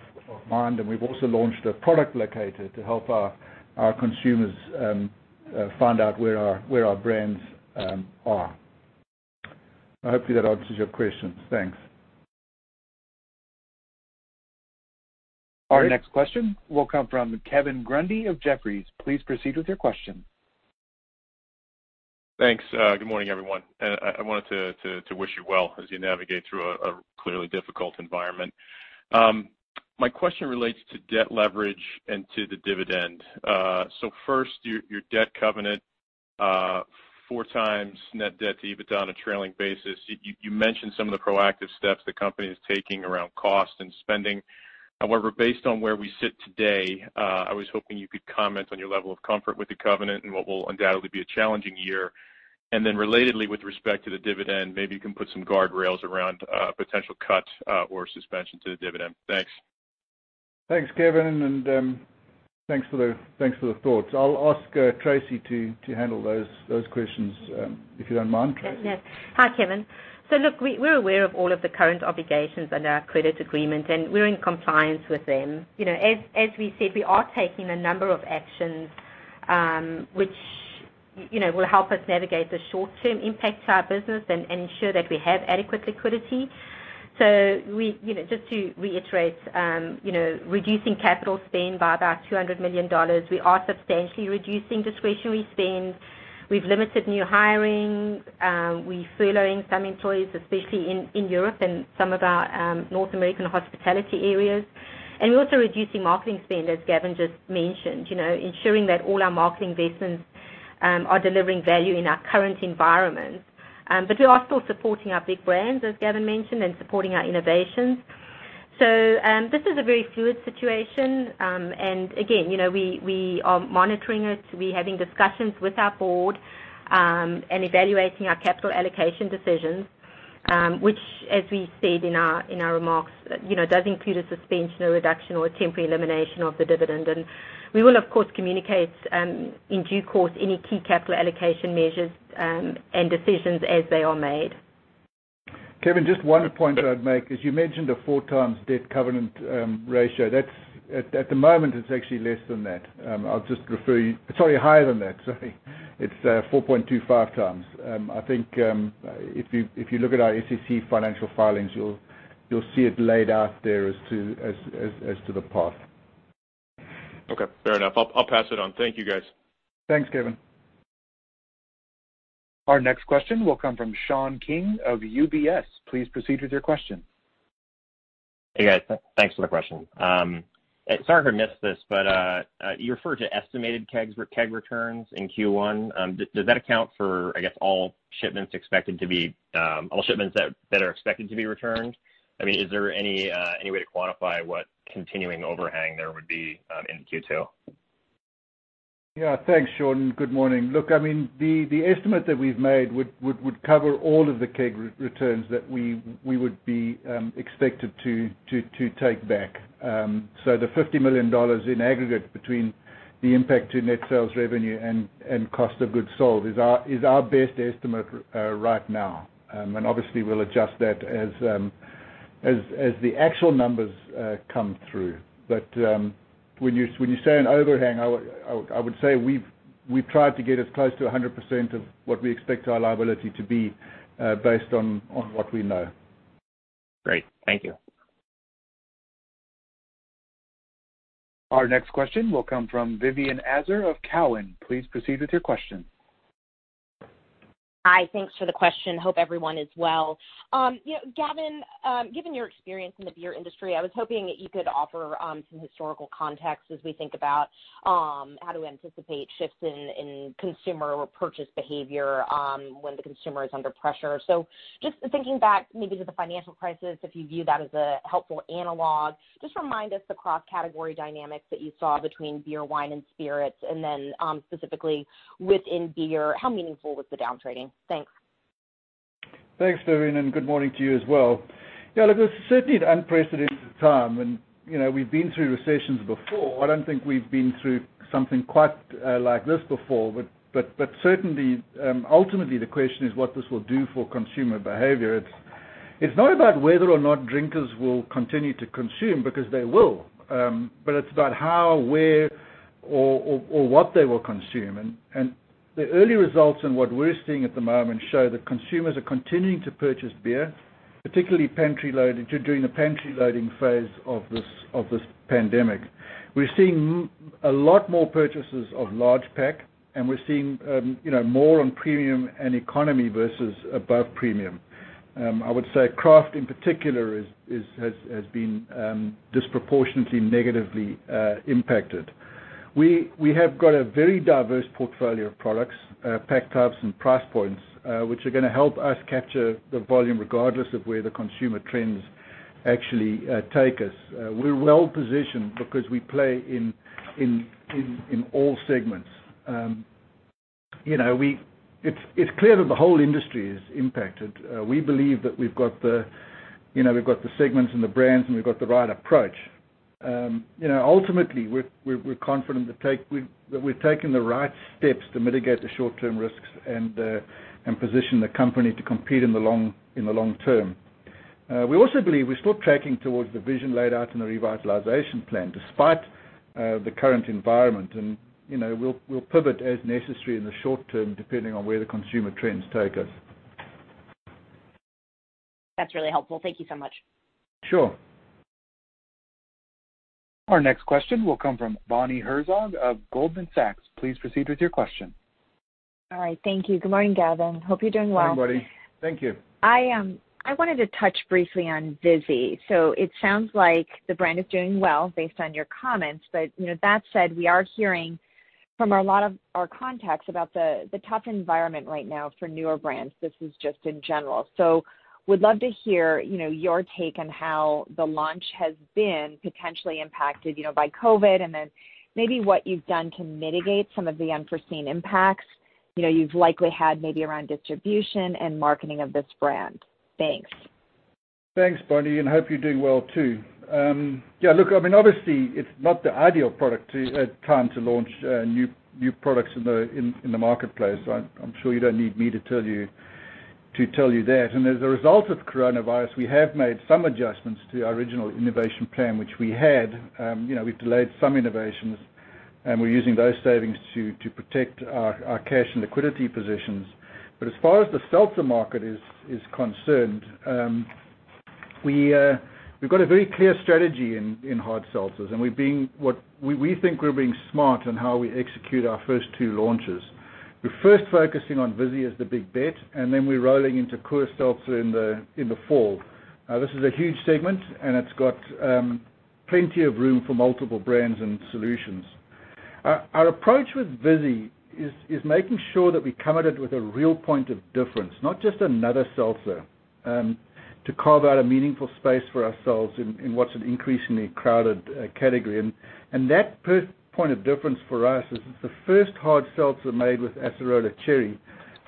mind. We've also launched a product locator to help our consumers find out where our brands are. I hope that answers your questions. Thanks. Our next question will come from Kevin Grundy of Jefferies. Please proceed with your question. Thanks. Good morning, everyone. I wanted to wish you well as you navigate through a clearly difficult environment. My question relates to debt leverage and to the dividend. First, your debt covenant 4x net debt to EBITDA on a trailing basis. You mentioned some of the proactive steps the company is taking around cost and spending. However, based on where we sit today, I was hoping you could comment on your level of comfort with the covenant and what will undoubtedly be a challenging year. Relatedly, with respect to the dividend, maybe you can put some guardrails around potential cuts or suspension to the dividend. Thanks. Thanks, Kevin, and thanks for the thoughts. I'll ask Tracey to handle those questions, if you don't mind, Tracey. Yes. Hi, Kevin. Look, we're aware of all of the current obligations under our credit agreement, and we're in compliance with them. As we said, we are taking a number of actions which will help us navigate the short-term impact to our business and ensure that we have adequate liquidity. Just to reiterate, reducing capital spend by about $200 million. We are substantially reducing discretionary spend. We've limited new hiring. We're furloughing some employees, especially in Europe and some of our North American hospitality areas. We're also reducing marketing spend, as Gavin just mentioned, ensuring that all our marketing investments are delivering value in our current environment. We are still supporting our big brands, as Gavin mentioned, and supporting our innovations. This is a very fluid situation. Again, we are monitoring it. We're having discussions with our board and evaluating our capital allocation decisions, which as we said in our remarks, does include a suspension, a reduction or a temporary elimination of the dividend. We will, of course, communicate in due course any key capital allocation measures and decisions as they are made. Kevin, just one point that I'd make is you mentioned a 4x debt covenant ratio. At the moment, it's actually less than that. I'll just refer you Sorry, higher than that, sorry. It's 4.25x. I think if you look at our SEC financial filings, you'll see it laid out there as to the path. Okay, fair enough. I'll pass it on. Thank you, guys. Thanks, Kevin. Our next question will come from Sean King of UBS. Please proceed with your question. Hey, guys. Thanks for the question. Sorry if I missed this, you referred to estimated keg returns in Q1. Does that account for, I guess all shipments that are expected to be returned? Is there any way to quantify what continuing overhang there would be in Q2? Thanks, Sean. Good morning. Look, the estimate that we've made would cover all of the keg returns that we would be expected to take back. The $50 million in aggregate between the impact to net sales revenue and cost of goods sold is our best estimate right now. Obviously, we'll adjust that as the actual numbers come through. When you say an overhang, I would say we've tried to get as close to 100% of what we expect our liability to be based on what we know. Great. Thank you. Our next question will come from Vivien Azer of Cowen. Please proceed with your question. Hi. Thanks for the question. Hope everyone is well. Gavin, given your experience in the beer industry, I was hoping that you could offer some historical context as we think about how to anticipate shifts in consumer or purchase behavior when the consumer is under pressure. Just thinking back maybe to the financial crisis, if you view that as a helpful analog, just remind us the cross-category dynamics that you saw between beer, wine, and spirits, and then specifically within beer, how meaningful was the down-trading? Thanks. Thanks, Vivien. Good morning to you as well. Yeah, look, it's certainly an unprecedented time, and we've been through recessions before. I don't think we've been through something quite like this before, but certainly, ultimately, the question is what this will do for consumer behavior. It's not about whether or not drinkers will continue to consume, because they will. It's about how, where, or what they will consume. The early results and what we're seeing at the moment show that consumers are continuing to purchase beer, particularly during the pantry loading phase of this pandemic. We're seeing a lot more purchases of large pack, and we're seeing more on premium and economy versus above premium. I would say craft in particular has been disproportionately negatively impacted. We have got a very diverse portfolio of products, pack types, and price points, which are going to help us capture the volume regardless of where the consumer trends actually take us. We're well-positioned because we play in all segments. It's clear that the whole industry is impacted. We believe that we've got the segments and the brands, and we've got the right approach. Ultimately, we're confident that we've taken the right steps to mitigate the short-term risks and position the company to compete in the long term. We also believe we're still tracking towards the vision laid out in the revitalization plan despite the current environment, and we'll pivot as necessary in the short term, depending on where the consumer trends take us. That's really helpful. Thank you so much. Sure. Our next question will come from Bonnie Herzog of Goldman Sachs. Please proceed with your question. All right, thank you. Good morning, Gavin. Hope you're doing well. Hi, Bonnie. Thank you. I wanted to touch briefly on Vizzy. It sounds like the brand is doing well based on your comments, but that said, we are hearing from a lot of our contacts about the tough environment right now for newer brands. This is just in general. Would love to hear your take on how the launch has been potentially impacted by COVID, and then maybe what you've done to mitigate some of the unforeseen impacts you've likely had maybe around distribution and marketing of this brand. Thanks. Thanks, Bonnie. Hope you're doing well, too. Yeah, look, obviously, it's not the ideal time to launch new products in the marketplace. I'm sure you don't need me to tell you that. As a result of coronavirus, we have made some adjustments to our original innovation plan, which we had. We've delayed some innovations, and we're using those savings to protect our cash and liquidity positions. As far as the seltzer market is concerned, we've got a very clear strategy in hard seltzers, and we think we're being smart in how we execute our first two launches. We're first focusing on Vizzy as the big bet, and then we're rolling into Coors Seltzer in the fall. This is a huge segment, and it's got plenty of room for multiple brands and solutions. Our approach with Vizzy is making sure that we come at it with a real point of difference, not just another seltzer, to carve out a meaningful space for ourselves in what's an increasingly crowded category. That point of difference for us is it's the first hard seltzer made with acerola cherry,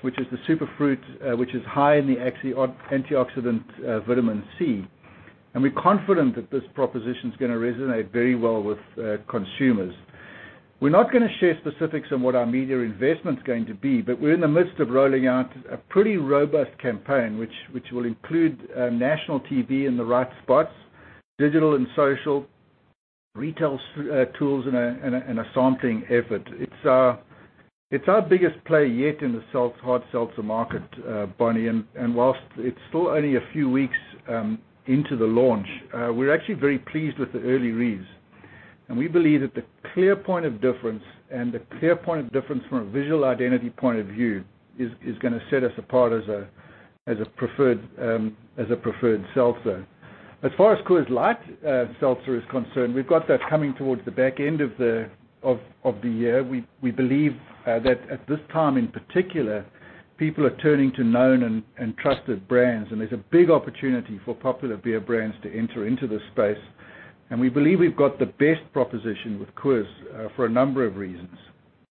which is the super fruit, which is high in the antioxidant vitamin C. We're confident that this proposition is going to resonate very well with consumers. We're not going to share specifics on what our media investment's going to be, but we're in the midst of rolling out a pretty robust campaign, which will include national TV in the right spots, digital and social retail tools, and a sampling effort. It's our biggest play yet in the hard seltzer market, Bonnie. While it's still only a few weeks into the launch, we're actually very pleased with the early reads. We believe that the clear point of difference from a visual identity point of view is going to set us apart as a preferred seltzer. As far as Coors Light Seltzer is concerned, we've got that coming towards the back end of the year. We believe that at this time in particular, people are turning to known and trusted brands, and there's a big opportunity for popular beer brands to enter into this space. We believe we've got the best proposition with Coors for a number of reasons.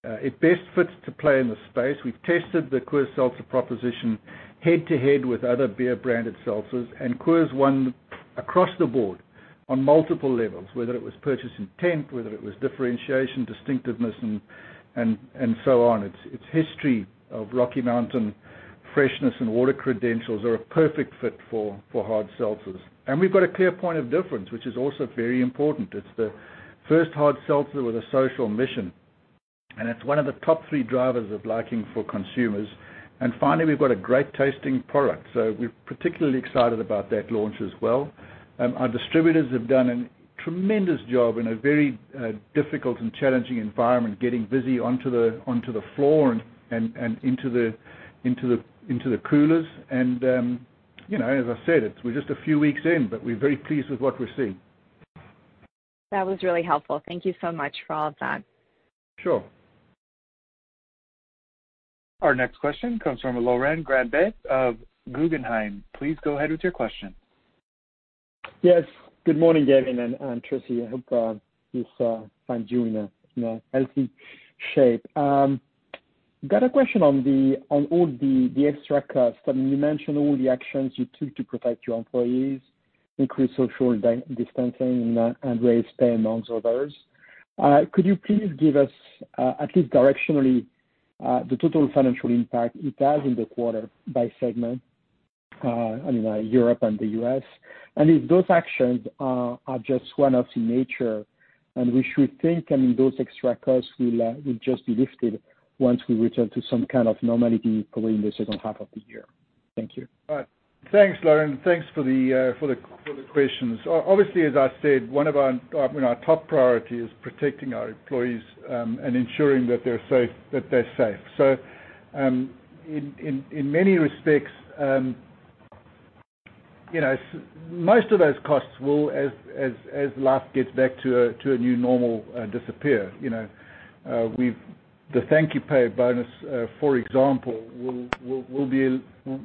It best fits to play in the space. We've tested the Coors Seltzer proposition head-to-head with other beer-branded seltzers. Coors won across the board on multiple levels, whether it was purchase intent, whether it was differentiation, distinctiveness, and so on. Its history of Rocky Mountain freshness and water credentials are a perfect fit for hard seltzers. We've got a clear point of difference, which is also very important. It's the first hard seltzer with a social mission. It's one of the top three drivers of liking for consumers. Finally, we've got a great-tasting product. We're particularly excited about that launch as well. Our distributors have done a tremendous job in a very difficult and challenging environment, getting Vizzy onto the floor and into the coolers. As I said, we're just a few weeks in. We're very pleased with what we're seeing. That was really helpful. Thank you so much for all of that. Sure. Our next question comes from Lauren Lieberman of Guggenheim. Please go ahead with your question. Yes. Good morning, Gavin and Tracey. I hope this finds you in a healthy shape. I have a question on all the extra costs. You mentioned all the actions you took to protect your employees, increase social distancing, and raise pay, amongst others. Could you please give us, at least directionally, the total financial impact it has in the quarter by segment, Europe and the U.S., and if those actions are just one-offs in nature, and we should think those extra costs will just be lifted once we return to some kind of normality probably in the second half of the year? Thank you. All right. Thanks, Lauren. Thanks for the questions. As I said, one of our top priority is protecting our employees, and ensuring that they're safe. In many respects, most of those costs will, as life gets back to a new normal, disappear. The thank you pay bonus, for example,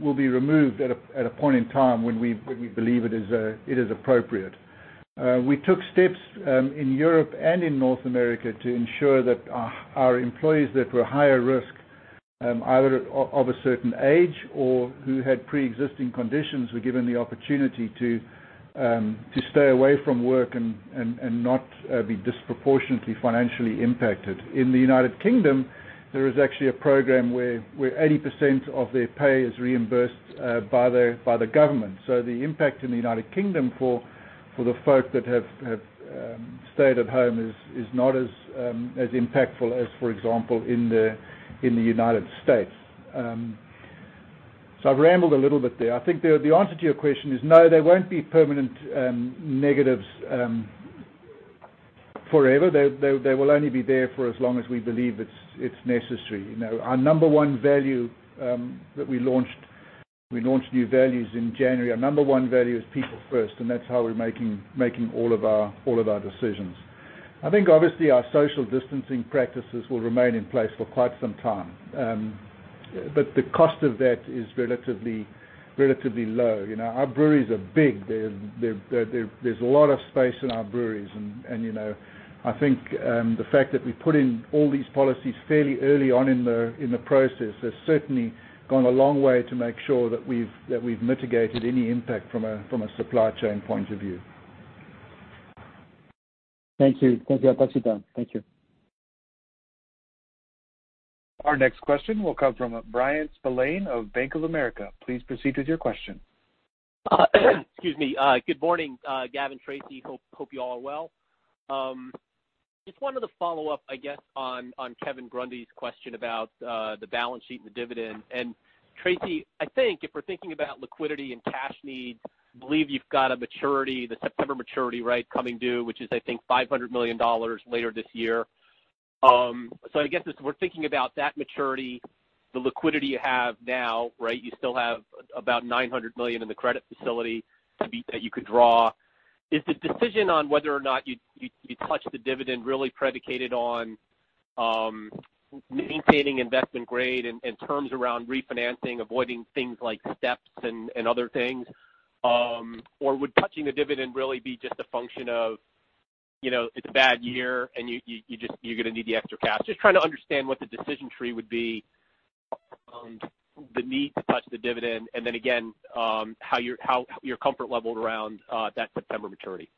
will be removed at a point in time when we believe it is appropriate. We took steps in Europe and in North America to ensure that our employees that were higher risk, either of a certain age or who had preexisting conditions, were given the opportunity to stay away from work and not be disproportionately financially impacted. In the United Kingdom, there is actually a program where 80% of their pay is reimbursed by the government. The impact in the U.K. for the folk that have stayed at home is not as impactful as, for example, in the U.S. I've rambled a little bit there. I think the answer to your question is no, they won't be permanent negatives forever. They will only be there for as long as we believe it's necessary. Our number one value that we launched, we launched new values in January. Our number one value is people first, and that's how we're making all of our decisions. I think obviously our social distancing practices will remain in place for quite some time. The cost of that is relatively low. Our breweries are big. There's a lot of space in our breweries, and I think the fact that we put in all these policies fairly early on in the process has certainly gone a long way to make sure that we've mitigated any impact from a supply chain point of view. Thank you. That is it done. Thank you. Our next question will come from Bryan Spillane of Bank of America. Please proceed with your question. Excuse me. Good morning, Gavin, Tracey. Hope you all are well. Just wanted to follow up, I guess, on Kevin Grundy's question about the balance sheet and the dividend. Tracey, I think if we're thinking about liquidity and cash needs, believe you've got a maturity, the September maturity, right, coming due, which is, I think, $500 million later this year. I guess as we're thinking about that maturity, the liquidity you have now, right, you still have about $900 million in the credit facility that you could draw. Is the decision on whether or not you touch the dividend really predicated on maintaining investment grade in terms around refinancing, avoiding things like steps and other things? Would touching the dividend really be just a function of, it's a bad year and you're going to need the extra cash. Just trying to understand what the decision tree would be, the need to touch the dividend, and then again, how your comfort level around that September maturity.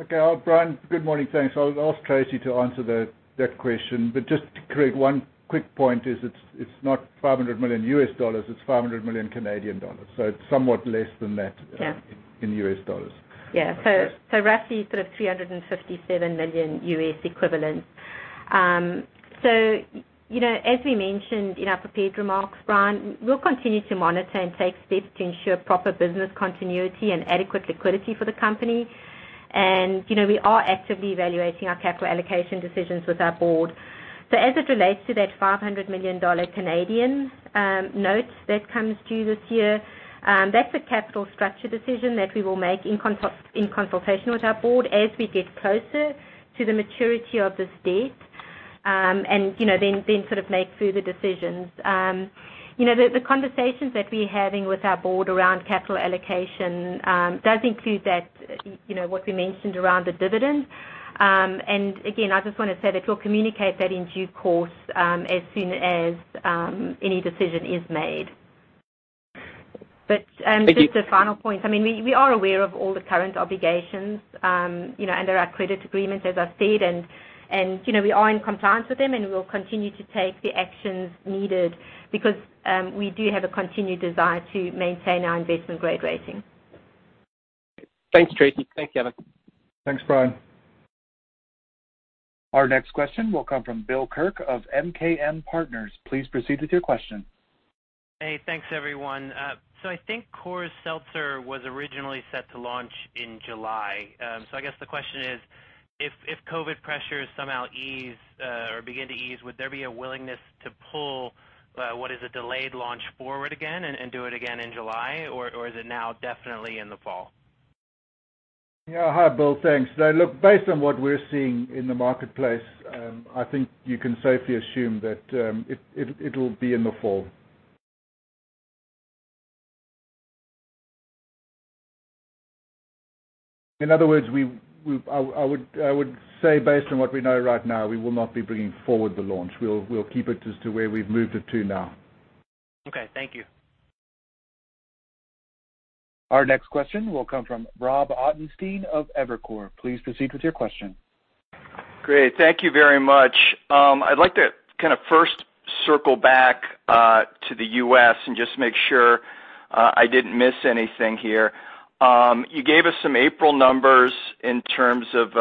Okay. Bryan, good morning. Thanks. I'll ask Tracey to answer that question. Just to create one quick point is it is not $500 million US, it is 500 million Canadian dollars, so it is somewhat less than that. Yeah in US dollars. Yeah. Okay. Roughly sort of $357 million US equivalent. As we mentioned in our prepared remarks, Bryan, we'll continue to monitor and take steps to ensure proper business continuity and adequate liquidity for the company. We are actively evaluating our capital allocation decisions with our board. As it relates to that 500 million Canadian dollars Canadian note that comes due this year, that's a capital structure decision that we will make in consultation with our board as we get closer to the maturity of this debt. Then sort of make further decisions. The conversations that we're having with our board around capital allocation does include what we mentioned around the dividend. Again, I just want to say that we'll communicate that in due course, as soon as any decision is made. Thank you. A final point. We are aware of all the current obligations under our credit agreement, as I said, and we are in compliance with them, and we'll continue to take the actions needed because we do have a continued desire to maintain our investment-grade rating. Thanks, Tracey. Thanks, Gavin. Thanks, Bryan. Our next question will come from Bill Kirk of MKM Partners. Please proceed with your question. Hey, thanks, everyone. I think Coors Seltzer was originally set to launch in July. I guess the question is, if COVID pressures somehow ease, or begin to ease, would there be a willingness to pull what is a delayed launch forward again and do it again in July? Or is it now definitely in the fall? Yeah. Hi, Bill. Thanks. Look, based on what we're seeing in the marketplace, I think you can safely assume that it'll be in the fall. In other words, I would say based on what we know right now, we will not be bringing forward the launch. We'll keep it as to where we've moved it to now. Okay, thank you. Our next question will come from Robert Ottenstein of Evercore. Please proceed with your question. Great. Thank you very much. I'd like to first circle back to the U.S. and just make sure I didn't miss anything here. You gave us some April numbers in terms of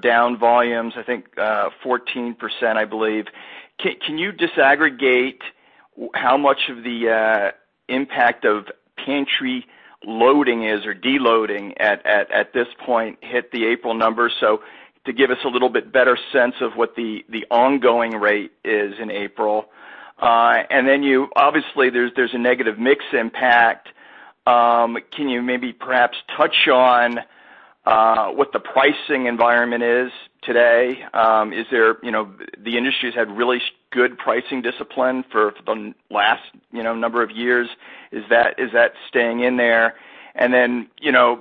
down volumes, I think 14%, I believe. Can you disaggregate how much of the impact of pantry loading is or deloading at this point hit the April numbers? To give us a little bit better sense of what the ongoing rate is in April. Obviously, there's a negative mix impact. Can you maybe perhaps touch on what the pricing environment is today? The industry's had really good pricing discipline for the last number of years. Is that staying in there?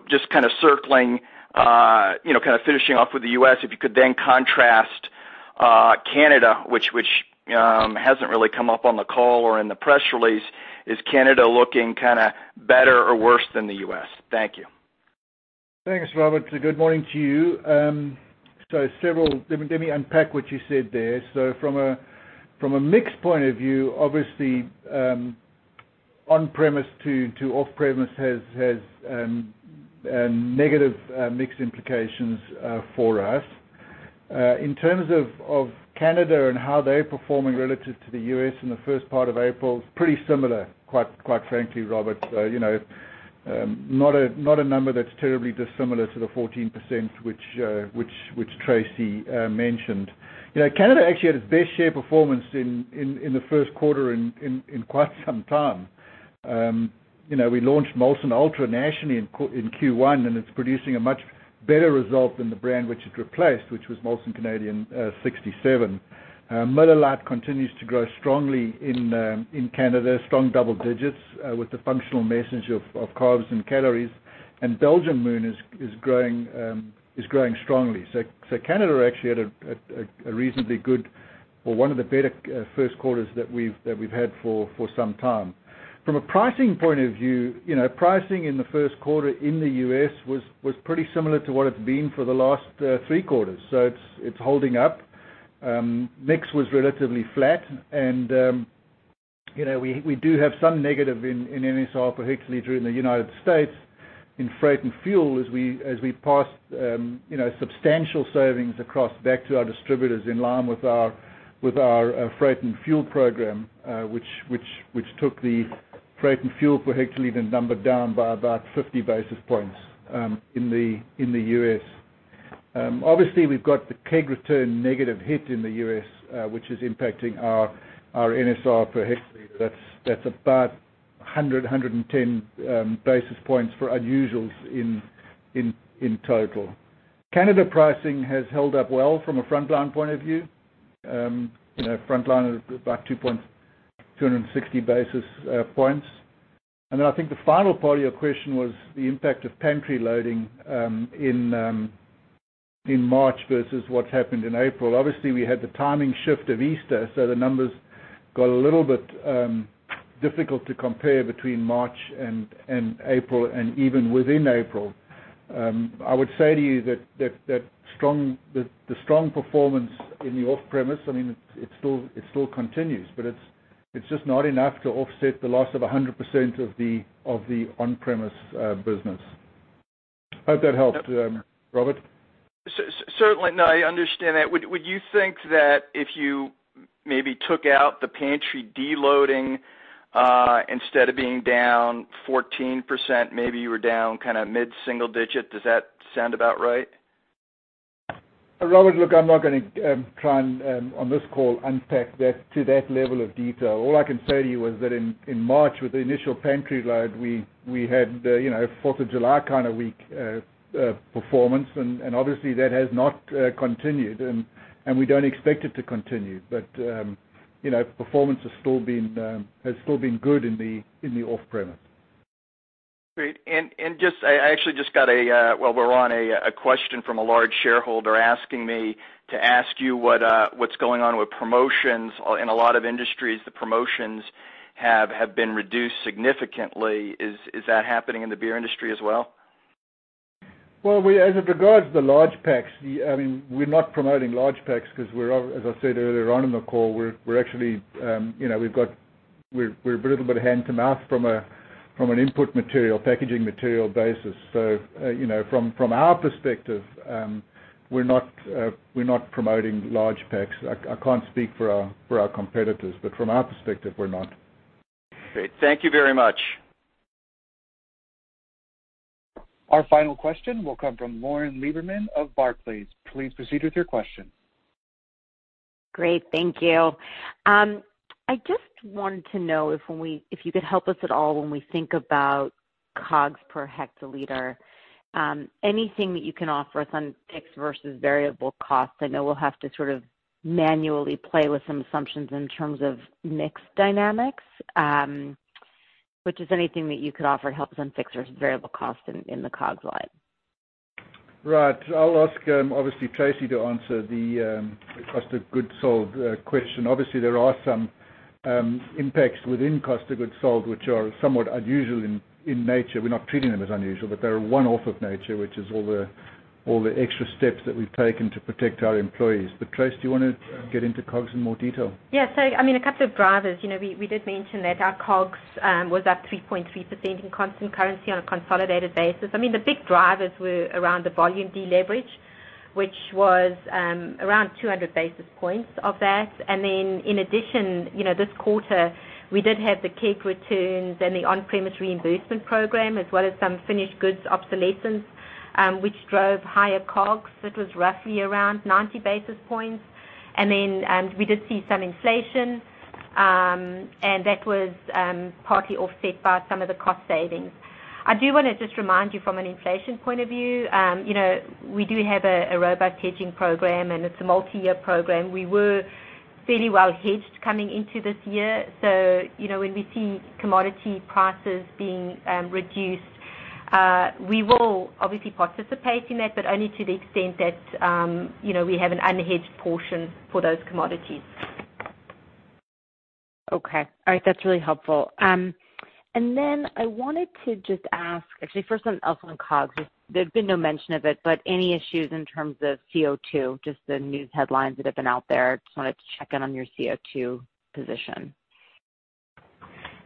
Just circling, finishing off with the U.S., if you could then contrast Canada, which hasn't really come up on the call or in the press release. Is Canada looking better or worse than the U.S.? Thank you. Thanks, Robert. Good morning to you. Let me unpack what you said there. From a mixed point of view, obviously, on-premise to off-premise has negative mixed implications for us. In terms of Canada and how they're performing relative to the U.S. in the first part of April, it's pretty similar, quite frankly, Robert. Not a number that's terribly dissimilar to the 14%, which Tracey mentioned. Canada actually had its best share performance in the first quarter in quite some time. We launched Molson Ultra nationally in Q1, and it's producing a much better result than the brand which it replaced, which was Molson Canadian 67. Miller Lite continues to grow strongly in Canada, strong double digits with the functional message of carbs and calories. Belgian Moon is growing strongly. Canada actually had a reasonably good or one of the better first quarters that we've had for some time. From a pricing point of view, pricing in the first quarter in the U.S. was pretty similar to what it's been for the last three quarters. It's holding up. Mix was relatively flat, and we do have some negative in NSR per hectoliter in the United States in freight and fuel as we passed substantial savings across back to our distributors in line with our freight and fuel program which took the freight and fuel per hectoliter number down by about 50 basis points in the U.S. We've got the keg return negative hit in the U.S., which is impacting our NSR per hectoliter. That's about 100, 110 basis points for unusuals in total. Canada pricing has held up well from a frontline point of view. Frontline is about 260 basis points. Then I think the final part of your question was the impact of pantry loading in March versus what happened in April. Obviously, we had the timing shift of Easter, so the numbers got a little bit difficult to compare between March and April and even within April. I would say to you that the strong performance in the off-premise, it still continues, but it's just not enough to offset the loss of 100% of the on-premise business. Hope that helped, Robert. Certainly. No, I understand that. Would you think that if you maybe took out the pantry deloading, instead of being down 14%, maybe you were down mid-single digit? Does that sound about right? Robert, look, I'm not going to try and, on this call, unpack that to that level of detail. All I can say to you is that in March, with the initial pantry load, we had a Fourth of July kind of week performance, and obviously, that has not continued, and we don't expect it to continue. Performance has still been good in the off-premise. I actually just got a, while we're on, a question from a large shareholder asking me to ask you what's going on with promotions. In a lot of industries, the promotions have been reduced significantly. Is that happening in the beer industry as well? As it regards the large packs, we're not promoting large packs because, as I said earlier on in the call, we're a little bit hand-to-mouth from an input material, packaging material basis. From our perspective, we're not promoting large packs. I can't speak for our competitors, but from our perspective, we're not. Great. Thank you very much. Our final question will come from Lauren Lieberman of Barclays. Please proceed with your question. Great. Thank you. I just wanted to know if you could help us at all when we think about COGS per hectoliter. Anything that you can offer us on fixed versus variable costs? I know we'll have to sort of manually play with some assumptions in terms of mix dynamics. Just anything that you could offer to help us on fixed versus variable cost in the COGS line. Right. I'll ask, obviously, Tracey to answer the cost of goods sold question. There are some impacts within cost of goods sold which are somewhat unusual in nature. We're not treating them as unusual, but they're one-off of nature, which is all the extra steps that we've taken to protect our employees. Tracey, do you want to get into COGS in more detail? A couple of drivers. We did mention that our COGS was up 3.3% in constant currency on a consolidated basis. The big drivers were around the volume de-leverage, which was around 200 basis points of that. In addition, this quarter, we did have the keg returns and the on-premise reimbursement program, as well as some finished goods obsolescence, which drove higher COGS. That was roughly around 90 basis points. We did see some inflation, and that was partly offset by some of the cost savings. I do want to just remind you from an inflation point of view, we do have a robust hedging program, and it's a multi-year program. We were fairly well hedged coming into this year. When we see commodity prices being reduced, we will obviously participate in that, but only to the extent that we have an unhedged portion for those commodities. Okay. All right. That's really helpful. I wanted to just ask, actually first on, also on COGS, there's been no mention of it, but any issues in terms of CO2, just the news headlines that have been out there. Just wanted to check in on your CO2 position.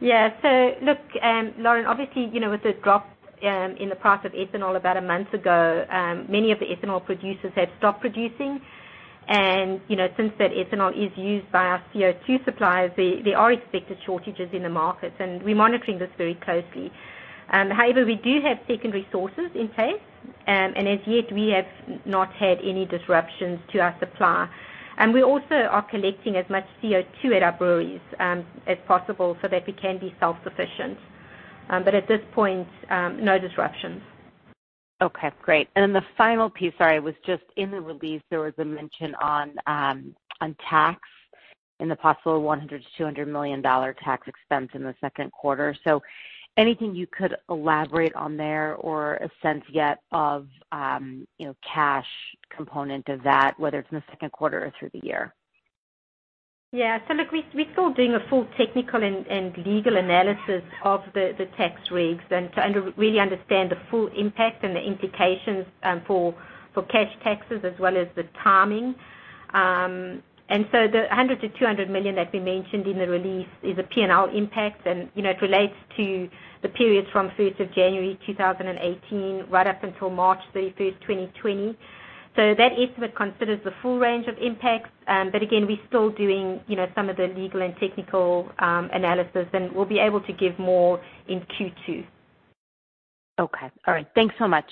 Look, Lauren, obviously, with the drop in the price of ethanol about a month ago, many of the ethanol producers have stopped producing. Since that ethanol is used by our CO2 suppliers, there are expected shortages in the market, and we're monitoring this very closely. We do have secondary sources in place, and as yet, we have not had any disruptions to our supply. We also are collecting as much CO2 at our breweries as possible so that we can be self-sufficient. At this point, no disruptions. Okay, great. The final piece, sorry, was just in the release, there was a mention on tax and the possible $100 million-$200 million tax expense in the second quarter. Anything you could elaborate on there or a sense yet of cash component of that, whether it's in the second quarter or through the year? Look, we're still doing a full technical and legal analysis of the tax regs and to really understand the full impact and the implications for cash taxes as well as the timing. The $100 million to $200 million that we mentioned in the release is a P&L impact, and it relates to the periods from January 1, 2018 right up until March 31, 2020. That estimate considers the full range of impacts. Again, we're still doing some of the legal and technical analysis, and we'll be able to give more in Q2. Okay. All right. Thanks so much.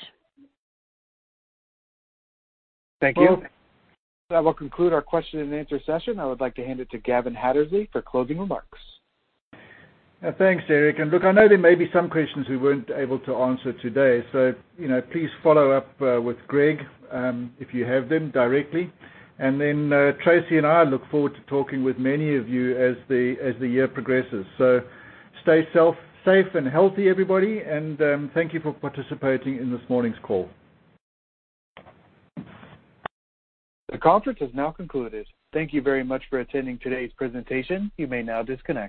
Thank you. That will conclude our question and answer session. I would like to hand it to Gavin Hattersley for closing remarks. Thanks, Eric. Look, I know there may be some questions we weren't able to answer today, so please follow up with Greg, if you have them directly. Tracey and I look forward to talking with many of you as the year progresses. Stay safe and healthy, everybody, and thank you for participating in this morning's call. The conference has now concluded. Thank you very much for attending today's presentation. You may now disconnect.